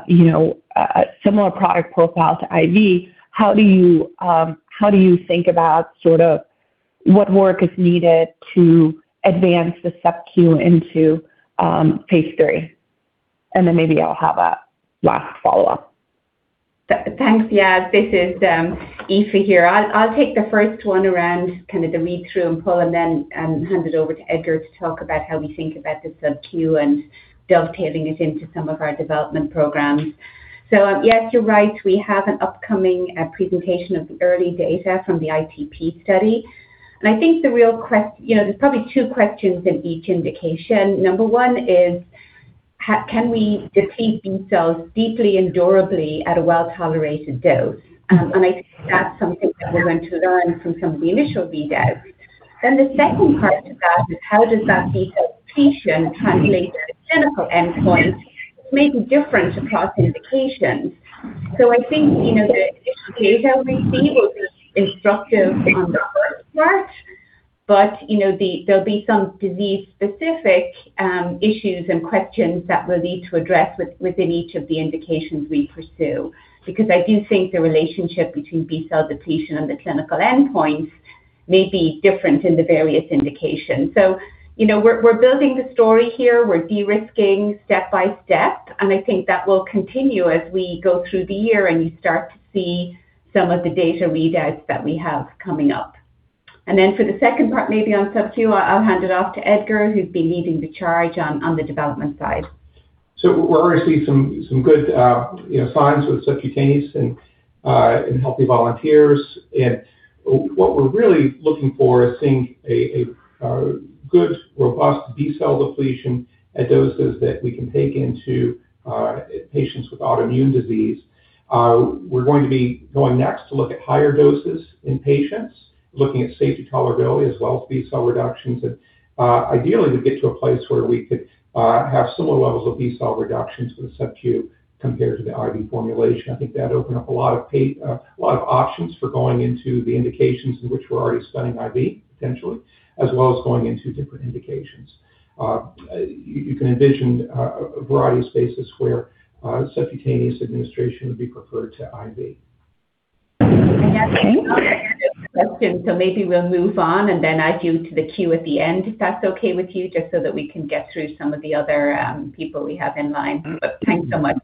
you know, a similar product profile to IV. How do you think about sort of what work is needed to advance the subq into phase III? Maybe I'll have a last follow-up. Thanks, Yas. This is Aoife Brennan here. I'll take the first one around kind of the read-through and pull, then hand it over to Edgar Charles to talk about how we think about the subq and dovetailing it into some of our development programs. Yes, you're right, we have an upcoming presentation of the early data from the ITP study. I think the real You know, there's probably two questions in each indication. Number one is, can we deplete B cells deeply and durably at a well-tolerated dose? I think that's something that we're going to learn from some of the initial readouts. The second part to that is how does that B-cell depletion translate to the clinical endpoints may be different across indications. I think, you know, the initial data we see will be instructive on the first part. But, you know, there'll be some disease-specific issues and questions that we'll need to address within each of the indications we pursue. I do think the relationship between B-cell depletion and the clinical endpoints may be different in the various indications. You know, we're building the story here. We're de-risking step by step, and I think that will continue as we go through the year and you start to see some of the data readouts that we have coming up. For the second part, maybe on subq, I'll hand it off to Edgar, who's been leading the charge on the development side. We're already seeing some good, you know, signs with subcutaneous and in healthy volunteers. What we're really looking for is seeing a good, robust B-cell depletion at doses that we can take into patients with autoimmune disease. We're going to be going next to look at higher doses in patients, looking at safety tolerability as well as B-cell reductions. Ideally, to get to a place where we could have similar levels of B-cell reductions with subq compared to the IV formulation. I think that opened up a lot of options for going into the indications in which we're already studying IV, potentially, as well as going into different indications. You can envision a variety of spaces where subcutaneous administration would be preferred to IV. I have questions, so maybe we'll move on, and then I queue to the queue at the end, if that's okay with you, just so that we can get through some of the other people we have in line. Thanks so much.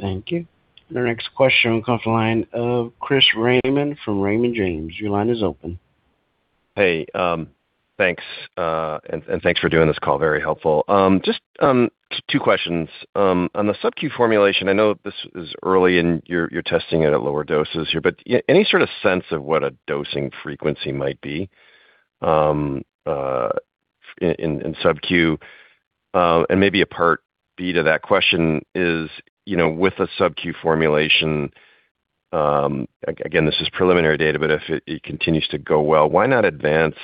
Thank you. Our next question will come from the line of Chris Raymond from Raymond James. Your line is open. Hey, thanks, and thanks for doing this call. Very helpful. Just two questions. On the subq formulation, I know this is early in your testing it at lower doses here, but any sort of sense of what a dosing frequency might be in subq? Maybe a part B to that question is, you know, with a subq formulation, again, this is preliminary data, but if it continues to go well, why not advance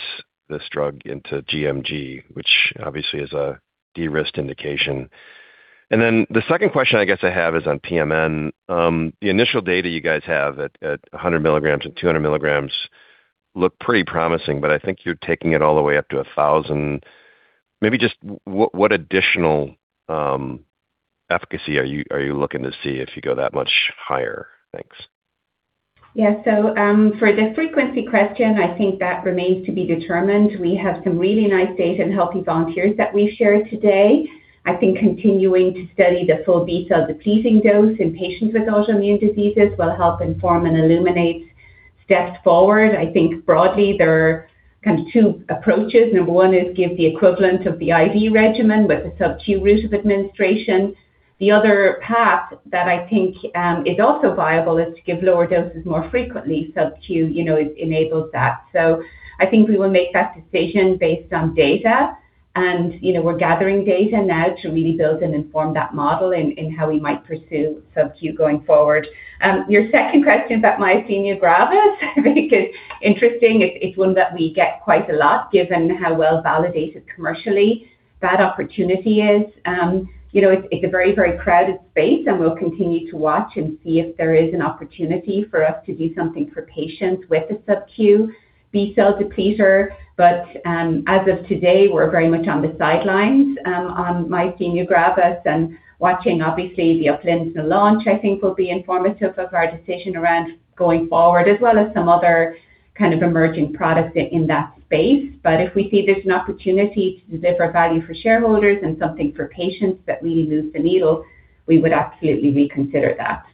this drug into gMG, which obviously is a de-risked indication? The second question I guess I have is on pMN. The initial data you guys have at 100 mg-200 mg look pretty promising, but I think you're taking it all the way up to 1,000 mg. Maybe just what additional efficacy are you looking to see if you go that much higher? Thanks. Yeah. For the frequency question, I think that remains to be determined. We have some really nice data in healthy volunteers that we've shared today. I think continuing to study the full B-cell depleting dose in patients with autoimmune diseases will help inform and illuminate steps forward. I think broadly there are kind of two approaches. Number one is give the equivalent of the IV regimen with a subq route of administration. The other path that I think is also viable is to give lower doses more frequently. Subq, you know, it enables that. I think we will make that decision based on data. You know, we're gathering data now to really build and inform that model in how we might pursue subq going forward. Your second question about myasthenia gravis I think is interesting. It's one that we get quite a lot, given how well-validated commercially that opportunity is. You know, it's a very, very crowded space. We'll continue to watch and see if there is an opportunity for us to do something for patients with a subq B-cell depleter. As of today, we're very much on the sidelines on myasthenia gravis and watching obviously the UPLIZNA launch, I think will be informative of our decision around going forward as well as some other kind of emerging products in that space. If we see there's an opportunity to deliver value for shareholders and something for patients that we lose the needle, we would absolutely reconsider that.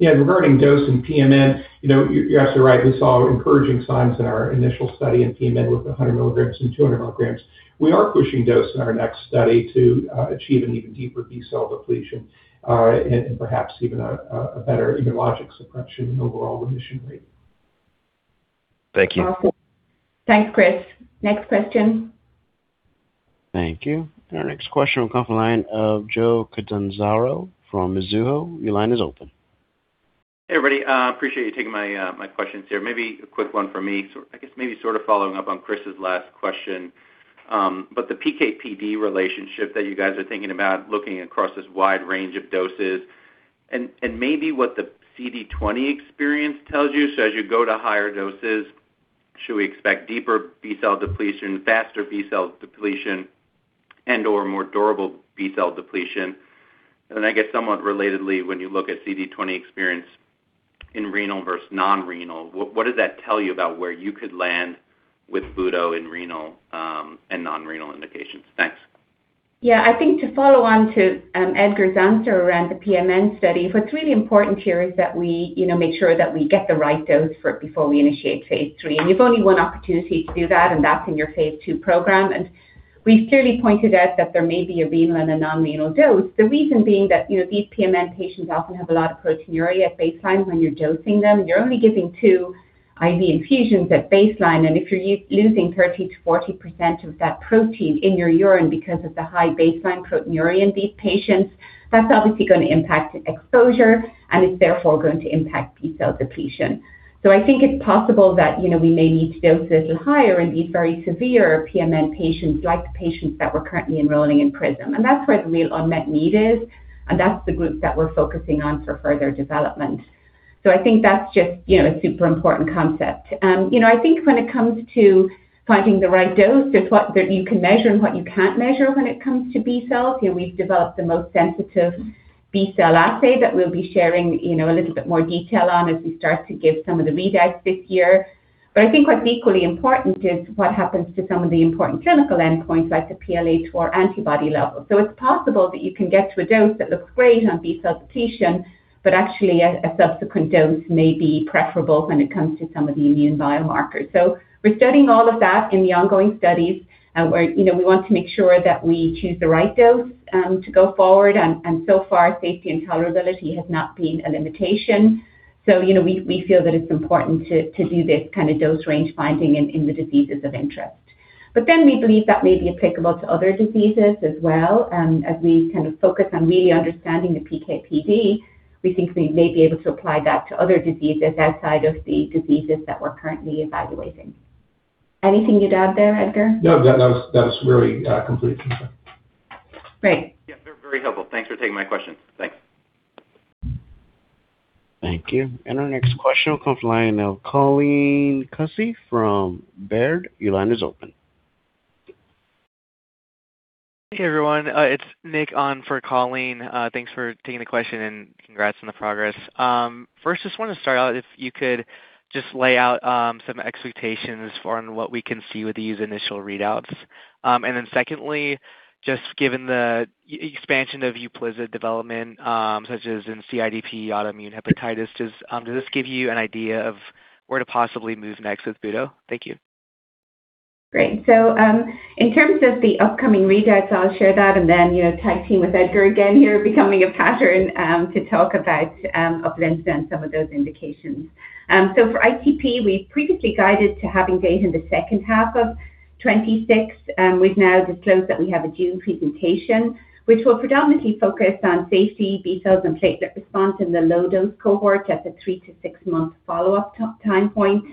Regarding dose and pMN, you know, you're absolutely right. We saw encouraging signs in our initial study in pMN with 100 mg and 200 mg. We are pushing dose in our next study to achieve an even deeper B-cell depletion and perhaps even a better immunologic suppression and overall remission rate. Thank you. Awesome. Thanks, Chris. Next question. Thank you. Our next question will come from the line of Joseph Catanzaro from Mizuho. Your line is open. Hey, everybody. Appreciate you taking my questions here. Maybe a quick one from me. I guess maybe sort of following up on Chris's last question. The PK/PD relationship that you guys are thinking about looking across this wide range of doses and maybe what the CD20 experience tells you. As you go to higher doses, should we expect deeper B-cell depletion, faster B-cell depletion, and/or more durable B-cell depletion? I guess somewhat relatedly, when you look at CD20 experience in renal versus non-renal, what does that tell you about where you could land with budoprutug in renal and non-renal indications? Thanks. Yeah. I think to follow on to Edgar's answer around the pMN study, what's really important here is that we, you know, make sure that we get the right dose for it before we initiate phase III. You've only one opportunity to do that, and that's in your phase II program. We've clearly pointed out that there may be a renal and a non-renal dose. The reason being that, you know, these pMN patients often have a lot of proteinuria at baseline when you're dosing them. You're only giving two IV infusions at baseline, and if you're losing 30%-40% of that protein in your urine because of the high baseline proteinuria in these patients, that's obviously gonna impact exposure, and it's therefore going to impact B-cell depletion. I think it's possible that, you know, we may need to dose a little higher in these very severe pMN patients like the patients that we're currently enrolling in PRISM. That's where the real unmet need is, and that's the group that we're focusing on for further development. I think that's just, you know, a super important concept. You know, I think when it comes to finding the right dose, there's what that you can measure and what you can't measure when it comes to B cells. You know, we've developed the most sensitive B-cell assay that we'll be sharing, you know, a little bit more detail on as we start to give some of the readouts this year. I think what's equally important is what happens to some of the important clinical endpoints, like the PLA2R antibody level. It's possible that you can get to a dose that looks great on B-cell depletion, but actually a subsequent dose may be preferable when it comes to some of the immune biomarkers. We're studying all of that in the ongoing studies, where, you know, we want to make sure that we choose the right dose to go forward. So far, safety and tolerability has not been a limitation. You know, we feel that it's important to do this kind of dose range finding in the diseases of interest. We believe that may be applicable to other diseases as well, as we kind of focus on really understanding the PK/PD, we think we may be able to apply that to other diseases outside of the diseases that we're currently evaluating. Anything you'd add there, Edgar? No. That was really complete, Aoife. Great. Yeah. Very, very helpful. Thanks for taking my question. Thanks. Thank you. Our next question will come from the line of Colleen Kusy from Baird. Your line is open. Hey, everyone, it's Nick on for Colleen. Thanks for taking the question, and congrats on the progress. First, just wanna start out if you could just lay out some expectations for on what we can see with these initial readouts. Secondly, just given the e-expansion of UPLIZNA development, such as in CIDP autoimmune hepatitis, does this give you an idea of where to possibly move next with budo? Thank you. Great. In terms of the upcoming readouts, I'll share that and then, you know, tag team with Edgar again here, becoming a pattern, to talk about UPLIZNA and some of those indications. For ITP, we previously guided to having data in the second half of 2026, we've now disclosed that we have a June presentation, which will predominantly focus on safety, B cells, and platelet response in the low dose cohort at the three to six-month follow-up time point.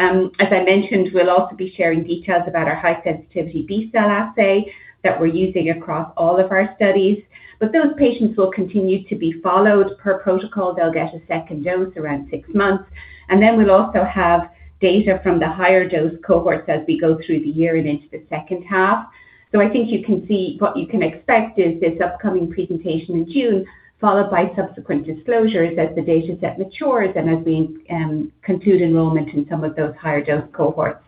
As I mentioned, we'll also be sharing details about our high sensitivity B-cell assay that we're using across all of our studies. Those patients will continue to be followed per protocol. They'll get a second dose around six months, we'll also have data from the higher dose cohorts as we go through the year and into the second half. I think you can see what you can expect is this upcoming presentation in June, followed by subsequent disclosures as the dataset matures and as we conclude enrollment in some of those higher dose cohorts.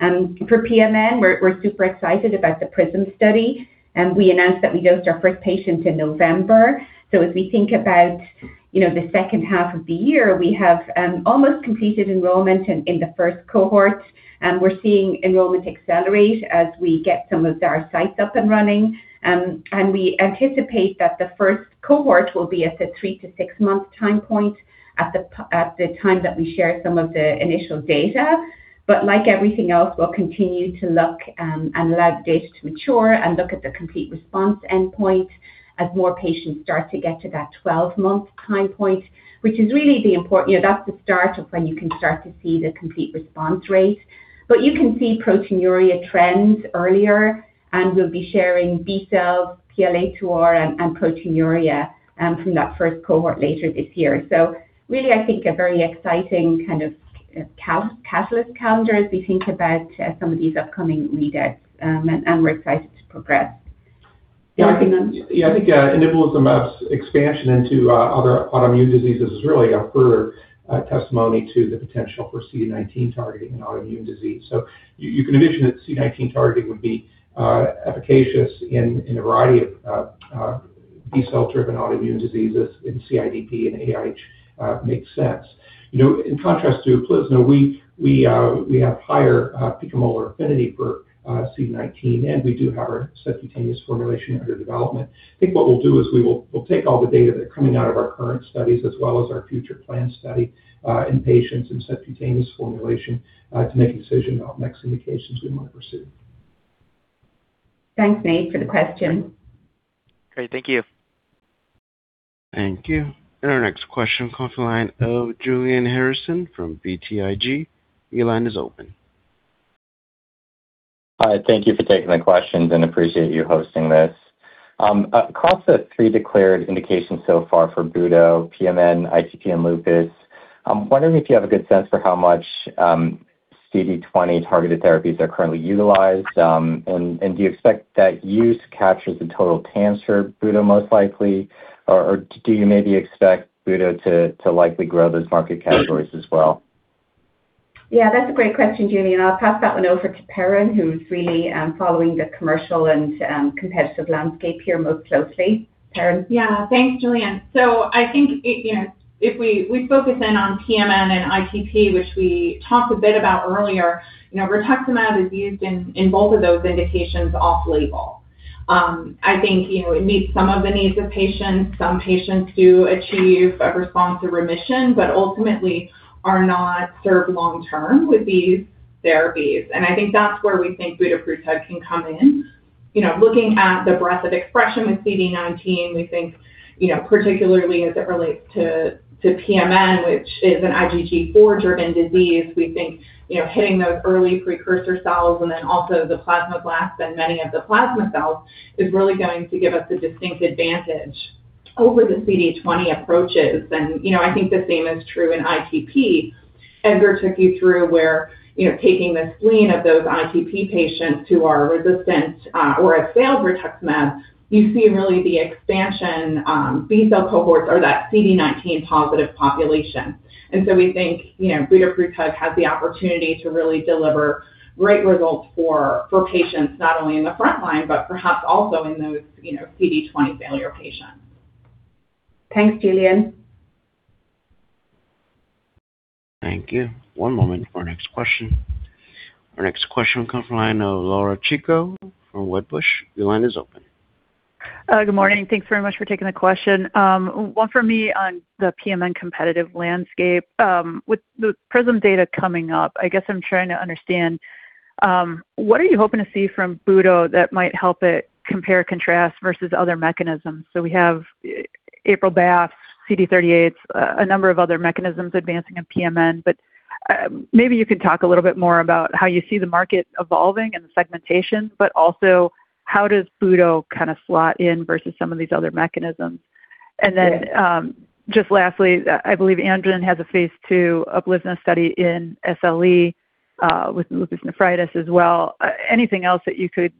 For pMN, we're super excited about the PRISM study, and we announced that we dosed our first patient in November. As we think about, you know, the second half of the year, we have almost completed enrollment in the first cohort. We're seeing enrollment accelerate as we get some of our sites up and running. And we anticipate that the first cohort will be at the three to six-month time point at the time that we share some of the initial data. Like everything else, we'll continue to look and allow the data to mature and look at the complete response endpoint as more patients start to get to that 12-month time point, which is really the import, you know, that's the start of when you can start to see the complete response rate. You can see proteinuria trends earlier, and we'll be sharing B cells, PLA2R, and proteinuria from that first cohort later this year. Really, I think a very exciting kind of calendar as we think about some of these upcoming readouts, and we're excited to progress. Anything else? Yeah. I think inebilizumab expansion into other autoimmune diseases is really a further testimony to the potential for CD19 targeting in autoimmune disease. You, you can envision that CD19 targeting would be efficacious in a variety of B-cell driven autoimmune diseases in CIDP and AIH makes sense. You know, in contrast to UPLIZNA, we have higher picomolar affinity for CD19, and we do have our subcutaneous formulation under development. I think what we'll do is we'll take all the data that are coming out of our current studies as well as our future plan study in patients in subcutaneous formulation to make a decision about next indications we wanna pursue. Thanks, Nick, for the question. Great. Thank you. Thank you. Our next question comes from the line of Julian Harrison from BTIG. Your line is open. Hi. Thank you for taking my questions, and appreciate you hosting this. Across the three declared indications so far for budo, pMN, ITP, and lupus, I'm wondering if you have a good sense for how much CD20 targeted therapies are currently utilized. Do you expect that use captures the total cancer budo most likely? Do you maybe expect budo to likely grow those market categories as well? Yeah. That's a great question, Julian. I'll pass that one over to Perrin, who's really following the commercial and competitive landscape here most closely. Perrin? Yeah. Thanks, Julian. I think, you know, if we focus in on pMN and ITP, which we talked a bit about earlier. You know, rituximab is used in both of those indications off label. I think, you know, it meets some of the needs of patients. Some patients do achieve a response to remission, but ultimately are not served long term with these therapies. I think that's where we think budoprutug can come in. You know, looking at the breadth of expression with CD19, we think, you know, particularly as it relates to pMN, which is an IgG4 driven disease, we think, you know, hitting those early precursor cells and then also the plasmablasts and many of the plasma cells is really going to give us a distinct advantage over the CD20 approaches. You know, I think the same is true in ITP. Edgar took you through where, you know, taking the spleen of those ITP patients who are resistant or have failed rituximab, you see really the expansion, B-cell cohorts or that CD19-positive population. We think, you know, budoprutug has the opportunity to really deliver great results for patients not only in the front line, but perhaps also in those, you know, CD20 failure patients. Thanks, Julian. Thank you. One moment for our next question. Our next question will come from the line of Laura Chico from Wedbush. Your line is open. Good morning. Thanks very much for taking the question. One for me on the pMN competitive landscape. With the PRISM data coming up, I guess I'm trying to understand what are you hoping to see from budo that might help it compare and contrast versus other mechanisms? We have APRIL/BAFF, CD38, a number of other mechanisms advancing in pMN. Maybe you could talk a little bit more about how you see the market evolving and the segmentation, but also how does budo kind of slot in versus some of these other mechanisms. Just lastly, I believe Amgen has a phase II UPLIZNA study in SLE with lupus nephritis as well. Anything else that you could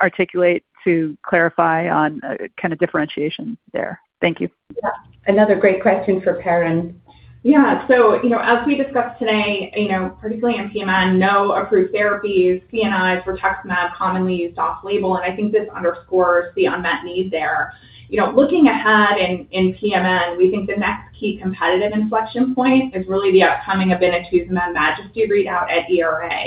articulate to clarify on kind of differentiation there? Thank you. Yeah. Another great question for Perrin. Yeah. As we discussed today, you know, particularly in pMN, no approved therapies, CNI, rituximab, commonly used off-label, I think this underscores the unmet need there. You know, looking ahead in pMN, we think the next key competitive inflection point is really the upcoming obinutuzumab MAJESTY readout at ERA.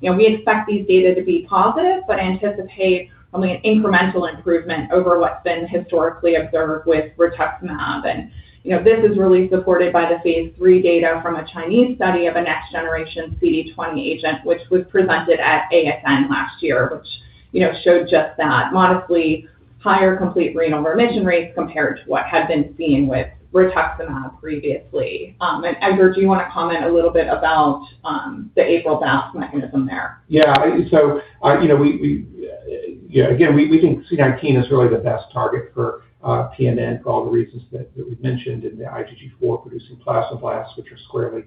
You know, we expect these data to be positive, but anticipate only an incremental improvement over what's been historically observed with rituximab. You know, this is really supported by the phase III data from a Chinese study of a next-generation CD20 agent, which was presented at ASN last year, which, you know, showed just that modestly higher complete renal remission rates compared to what had been seen with rituximab previously. Edgar, do you want to comment a little bit about the APRIL/BAFF mechanism there? Yeah. You know, we, yeah, again, we think CD19 is really the best target for pMN for all the reasons that we've mentioned in the IgG4 producing plasmablast, which are squarely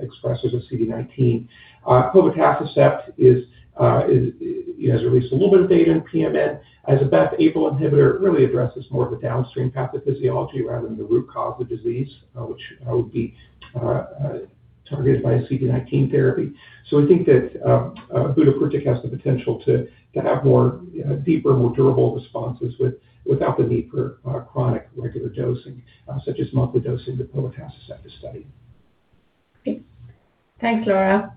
expressive of CD19. Povetacicept is, you know, has released a little bit of data in pMN. As a BAFF/APRIL inhibitor, it really addresses more of a downstream pathophysiology rather than the root cause of disease, which would be targeted by a CD19 therapy. We think that budoprutug has the potential to have more deeper, more durable responses without the need for chronic regular dosing, such as monthly dosing to povetacicept study. Okay. Thanks, Laura.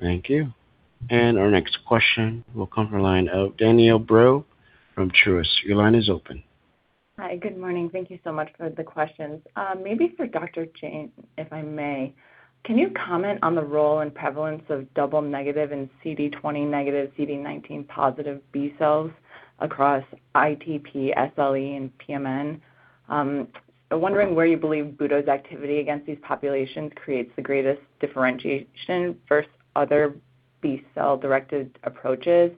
Thank you. Our next question will come from line of Danielle Brill from Truist. Your line is open. Hi. Good morning. Thank you so much for the questions. Maybe for Dr. Jayne, if I may. Can you comment on the role and prevalence of double-negative in CD20-negative, CD19-positive B cells across ITP, SLE, and pMN? I'm wondering where you believe budo's activity against these populations creates the greatest differentiation versus other B-cell-directed approaches.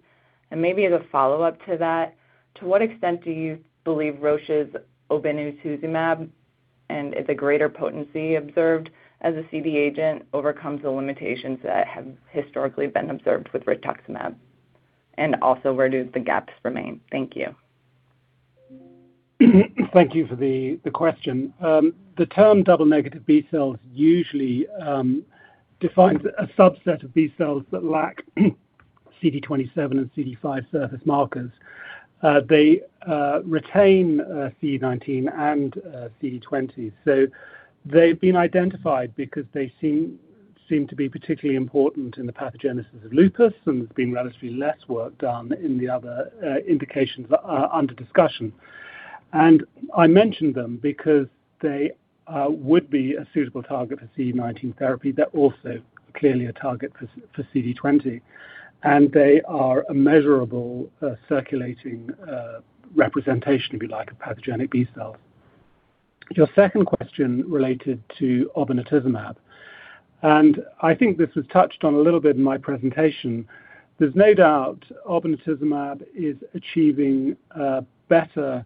Maybe as a follow-up to that, to what extent do you believe Roche's obinutuzumab and its greater potency observed as a CD agent overcomes the limitations that have historically been observed with rituximab? Also, where do the gaps remain? Thank you. Thank you for the question. The term double-negative B cells usually defines a subset of B cells that lack CD27 and CD5 surface markers. They retain CD19 and CD20. They've been identified because they seem to be particularly important in the pathogenesis of lupus, and there's been relatively less work done in the other indications that are under discussion. I mentioned them because they would be a suitable target for CD19 therapy. They're also clearly a target for CD20, and they are a measurable, circulating representation, if you like, of pathogenic B cells. Your second question related to obinutuzumab, I think this was touched on a little bit in my presentation. There's no doubt obinutuzumab is achieving better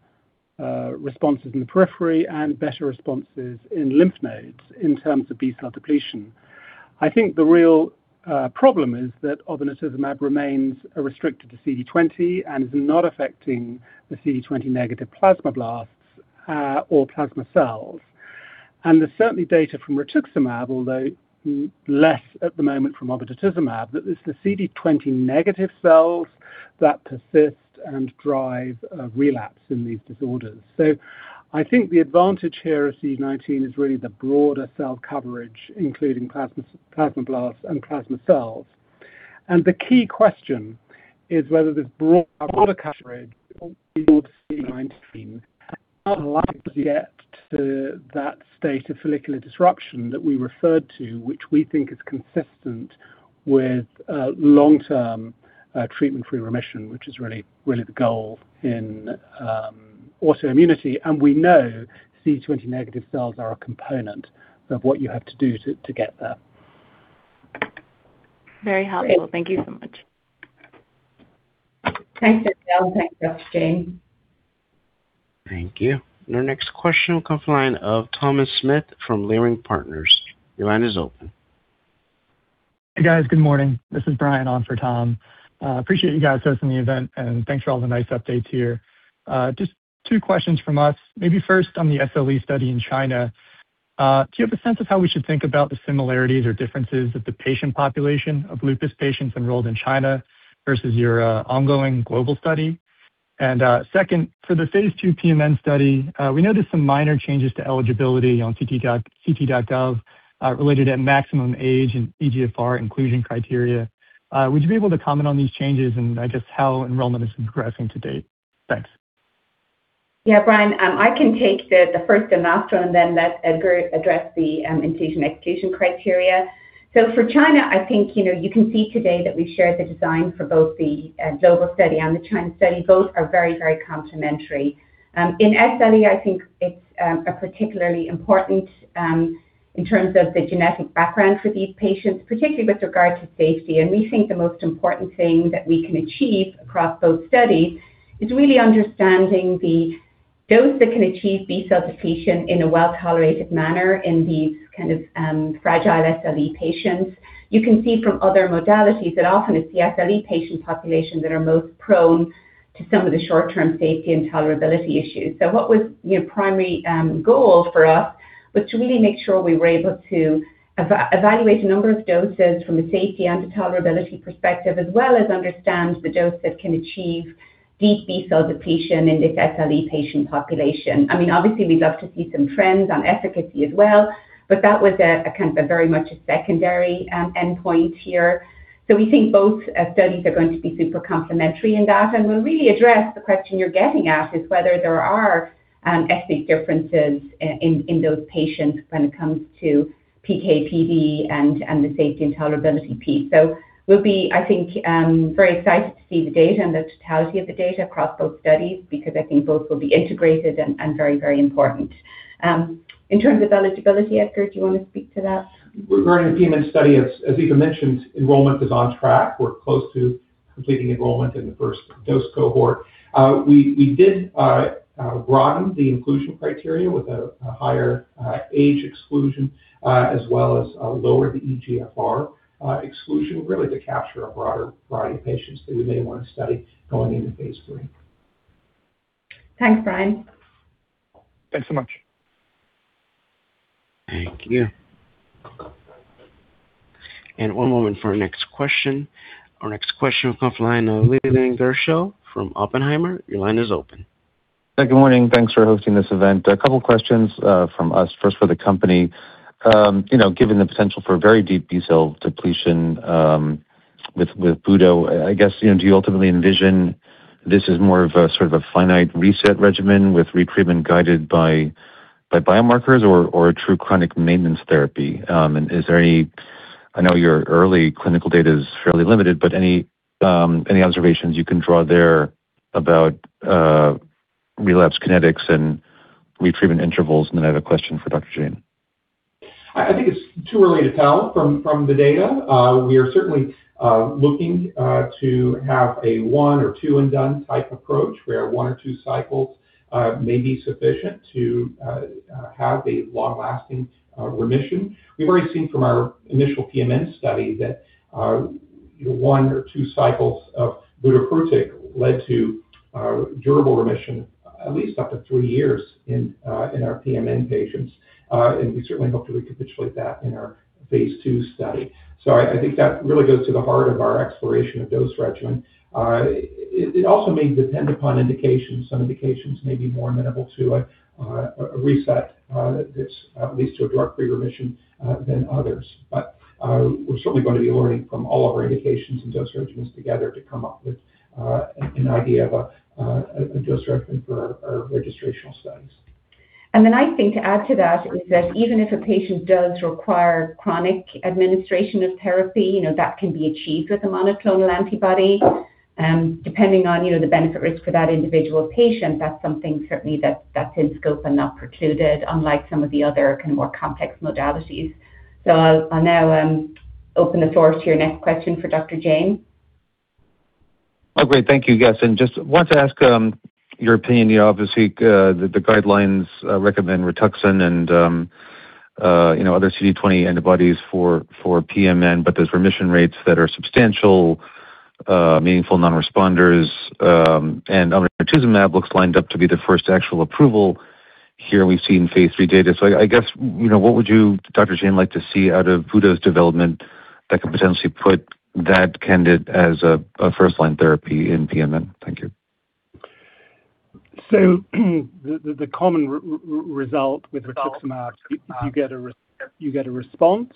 responses in the periphery and better responses in lymph nodes in terms of B-cell depletion. I think the real problem is that obinutuzumab remains restricted to CD20 and is not affecting the CD20-negative plasmablasts or plasma cells. There's certainly data from rituximab, although less at the moment from obinutuzumab, that it's the CD20-negative cells that persist and drive a relapse in these disorders. I think the advantage here of CD19 is really the broader cell coverage, including plasmablasts and plasma cells. The key question is whether this broad coverage to that state of follicular disruption that we referred to, which we think is consistent with long-term treatment-free remission, which is really, really the goal in autoimmunity. We know CD20-negative cells are a component of what you have to do to get there. Very helpful. Thank you so much. Thanks, Danielle. Thanks, Dr. Jayne. Thank you. Our next question will come from the line of Thomas Smith from Leerink Partners. Your line is open. Hey, guys. Good morning. This is Brian on for Tom. Appreciate you guys hosting the event, and thanks for all the nice updates here. Just two questions from us, maybe first on the SLE study in China. Do you have a sense of how we should think about the similarities or differences of the patient population of lupus patients enrolled in China versus your ongoing global study? Second, for the phase II pMN study, we noticed some minor changes to eligibility on ClinicalTrials.gov related at maximum age and eGFR inclusion criteria. Would you be able to comment on these changes and just how enrollment is progressing to date? Thanks. Yeah, Brian, I can take the first, the nostril, and then let Edgar address the inclusion-exclusion criteria. For China, I think, you know, you can see today that we've shared the design for both the global study and the China study. Both are very, very complementary. In SLE, I think it's a particularly important in terms of the genetic background for these patients, particularly with regard to safety. We think the most important thing that we can achieve across both studies is really understanding the dose that can achieve B-cell depletion in a well-tolerated manner in these kind of fragile SLE patients. You can see from other modalities that often it's the SLE patient populations that are most prone to some of the short-term safety and tolerability issues. What was, you know, primary goal for us was to really make sure we were able to evaluate a number of doses from a safety and tolerability perspective, as well as understand the dose that can achieve deep B-cell depletion in this SLE patient population. I mean, obviously, we'd love to see some trends on efficacy as well, but that was a kind of a very much a secondary endpoint here. We think both studies are going to be super complementary in that, and will really address the question you're getting at, is whether there are ethnic differences in those patients when it comes to PK/PD, and the safety and tolerability piece. We'll be, I think, very excited to see the data and the totality of the data across both studies because I think both will be integrated and very, very important. In terms of eligibility, Edgar, do you want to speak to that? Regarding the pMN study, as Aoife mentioned, enrollment is on track. We're close to completing enrollment in the first dose cohort. We did broaden the inclusion criteria with a higher age exclusion, as well as lower the eGFR exclusion, really to capture a broader variety of patients that we may wanna study going into phase III. Thanks, Brian. Thanks so much. Thank you. One moment for our next question. Our next question will come from the line of Leland Gershell from Oppenheimer. Your line is open. Yeah, good morning. Thanks for hosting this event. A couple questions from us. First for the company. You know, given the potential for very deep B-cell depletion with budoprutug, I guess, you know, do you ultimately envision this as more of a sort of a finite reset regimen with retreatment guided by biomarkers or a true chronic maintenance therapy? Is there any I know your early clinical data is fairly limited, but any observations you can draw there about relapse kinetics and retreatment intervals? Then I have a question for Dr. Jayne. I think it's too early to tell from the data. We are certainly looking to have a one-or-two-and-done type approach where one or two cycles may be sufficient to have a long-lasting remission. We've already seen from our initial pMN study that one or two cycles of budoprutug led to durable remission at least up to three years in our pMN patients. We certainly hope to recapitulate that in our phase II study. I think that really goes to the heart of our exploration of dose regimen. It also may depend upon indications. Some indications may be more amenable to a reset that leads to a drug-free remission than others. We're certainly gonna be learning from all of our indications and dose regimens together to come up with an idea of a dose regimen for our registrational studies. I think to add to that is that even if a patient does require chronic administration of therapy, you know, that can be achieved with a monoclonal antibody. Depending on, you know, the benefit risk for that individual patient, that's something certainly that's in scope and not precluded, unlike some of the other kind of more complex modalities. I'll now open the floor to your next question for Dr. Jayne. Great. Thank you. Yes. Just wanted to ask your opinion. You know, obviously, the guidelines recommend RITUXAN and, you know, other CD20 antibodies for pMN, but those remission rates that are substantial, meaningful non-responders, and budoprutug looks lined up to be the first actual approval. Here we've seen phase III data. I guess, you know, what would you, Dr. Jayne, like to see out of budoprutug's development that could potentially put that candidate as a first-line therapy in pMN? Thank you. The common result with Rituximab, you get a response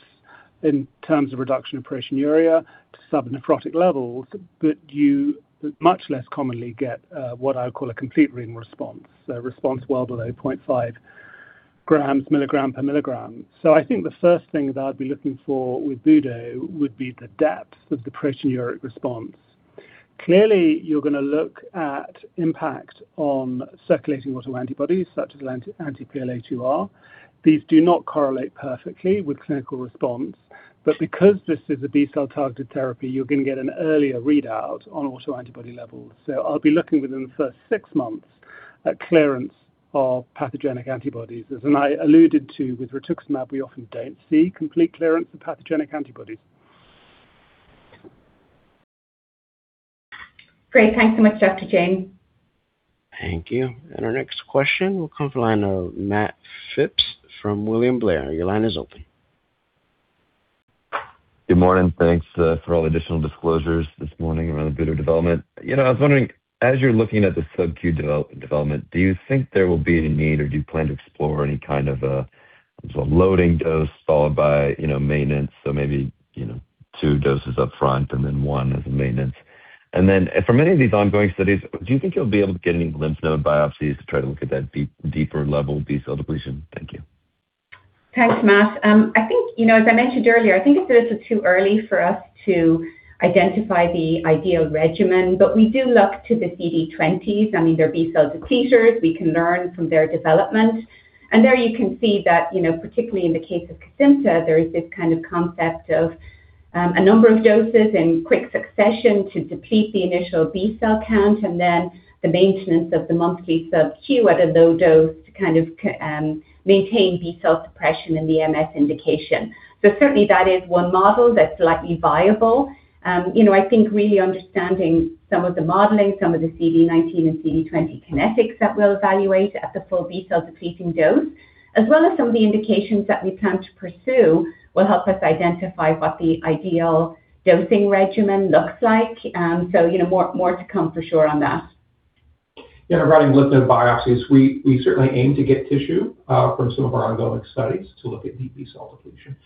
in terms of reduction of proteinuria to subnephrotic levels, but you much less commonly get what I would call a complete renal response, a response well below 0.5 g, mg per mg. I think the first thing that I'd be looking for with budoprutug would be the depth of the proteinuria response. Clearly, you're gonna look at impact on circulating autoantibodies, such as anti-PLA2R. These do not correlate perfectly with clinical response. Because this is a B-cell-targeted therapy, you're gonna get an earlier readout on autoantibody levels. I'll be looking within the first six months, a clearance of pathogenic antibodies. As I alluded to with Rituximab, we often don't see complete clearance of pathogenic antibodies. Great. Thanks so much, Dr. Jayne. Thank you. Our next question will come from the line of Matt Phipps from William Blair. Your line is open. Good morning. Thanks for all the additional disclosures this morning around the bit of development. You know, I was wondering, as you're looking at the subq development, do you think there will be a need or do you plan to explore any kind of a, sort of loading dose followed by, you know, maintenance? Maybe, you know, two doses up front and then one as a maintenance. Then for many of these ongoing studies, do you think you'll be able to get any lymph node biopsies to try to look at that deep, deeper level B-cell depletion? Thank you. Thanks, Matt. I think, you know, as I mentioned earlier, I think it's a little too early for us to identify the ideal regimen, but we do look to the CD20s. I mean, they're B-cell depleters. We can learn from their development. There you can see that, you know, particularly in the case of KESIMPTA, there is this kind of concept of a number of doses in quick succession to deplete the initial B-cell count and then the maintenance of the monthly subq at a low dose to kind of maintain B-cell suppression in the MS indication. Certainly that is one model that's likely viable. You know, I think really understanding some of the modeling, some of the CD19 and CD20 kinetics that we'll evaluate at the full B-cell depleting dose, as well as some of the indications that we plan to pursue, will help us identify what the ideal dosing regimen looks like. You know, more to come for sure on that. Yeah, regarding lymph node biopsies, we certainly aim to get tissue from some of our ongoing studies to look at deep B-cell depletion.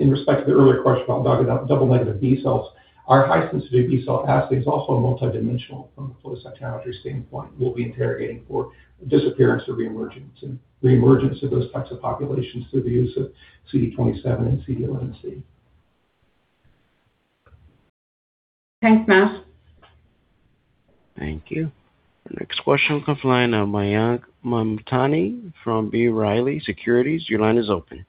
In respect to the earlier question about double-negative B cells, our high sensitivity B-cell assay is also multidimensional from a flow cytometry standpoint. We'll be interrogating for disappearance or reemergence of those types of populations through the use of CD27 and CD11c. Thanks, Matt. Thank you. The next question comes from the line of Mayank Mamtani from B. Riley Securities. Your line is open.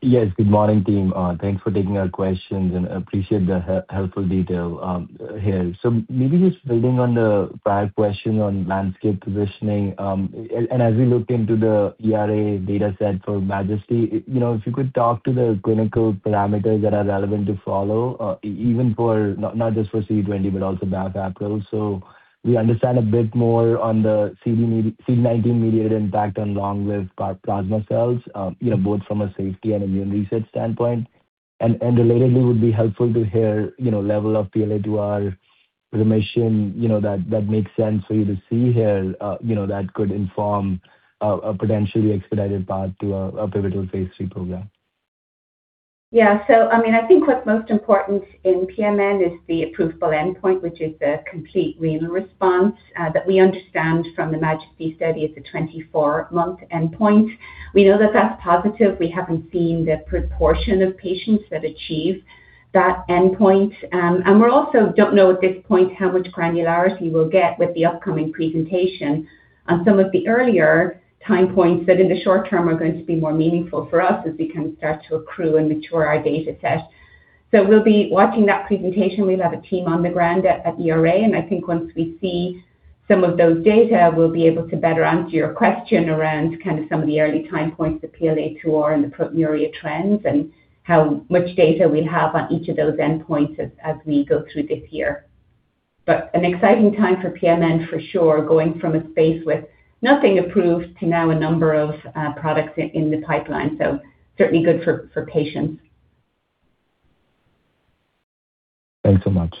Yes, good morning, team. Thanks for taking our questions and appreciate the helpful detail here. Maybe just building on the prior question on landscape positioning, and as we look into the ERA data set for MAJESTY, you know, if you could talk to the clinical parameters that are relevant to follow, even for not just for CD20, but also BAFF/APRIL. We understand a bit more on the CD19 mediated impact on long lived plasma cells, you know, both from a safety and immune research standpoint. Relatedly would be helpful to hear, you know, level of PLA2R remission, you know, that makes sense for you to see here, you know, that could inform a potentially expedited path to a pivotal phase III program. I think what's most important in pMN is the approvable endpoint, which is a complete renal response, that we understand from the MAJESTY study is a 24-month endpoint. We know that that's positive. We haven't seen the proportion of patients that achieve that endpoint. And we also don't know at this point how much granularity we'll get with the upcoming presentation on some of the earlier time points that in the short term are going to be more meaningful for us as we can start to accrue and mature our data set. We'll be watching that presentation. We'll have a team on the ground at ERA. I think once we see some of those data, we'll be able to better answer your question around kind of some of the early time points of PLA2R and the proteinuria trends and how much data we have on each of those endpoints as we go through this year. An exciting time for pMN for sure, going from a space with nothing approved to now a number of products in the pipeline. Certainly good for patients. Thanks so much.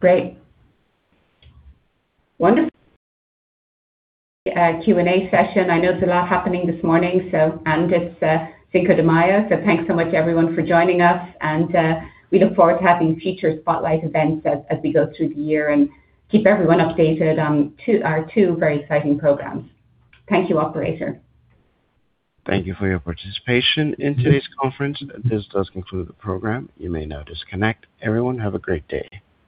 Great. Wonderful. Q&A session. I know there's a lot happening this morning, so it's Cinco de Mayo. Thanks so much everyone for joining us, and we look forward to having future spotlight events as we go through the year and keep everyone updated on our two very exciting programs. Thank you, operator. Thank you for your participation in today's conference. This does conclude the program. You may now disconnect. Everyone, have a great day.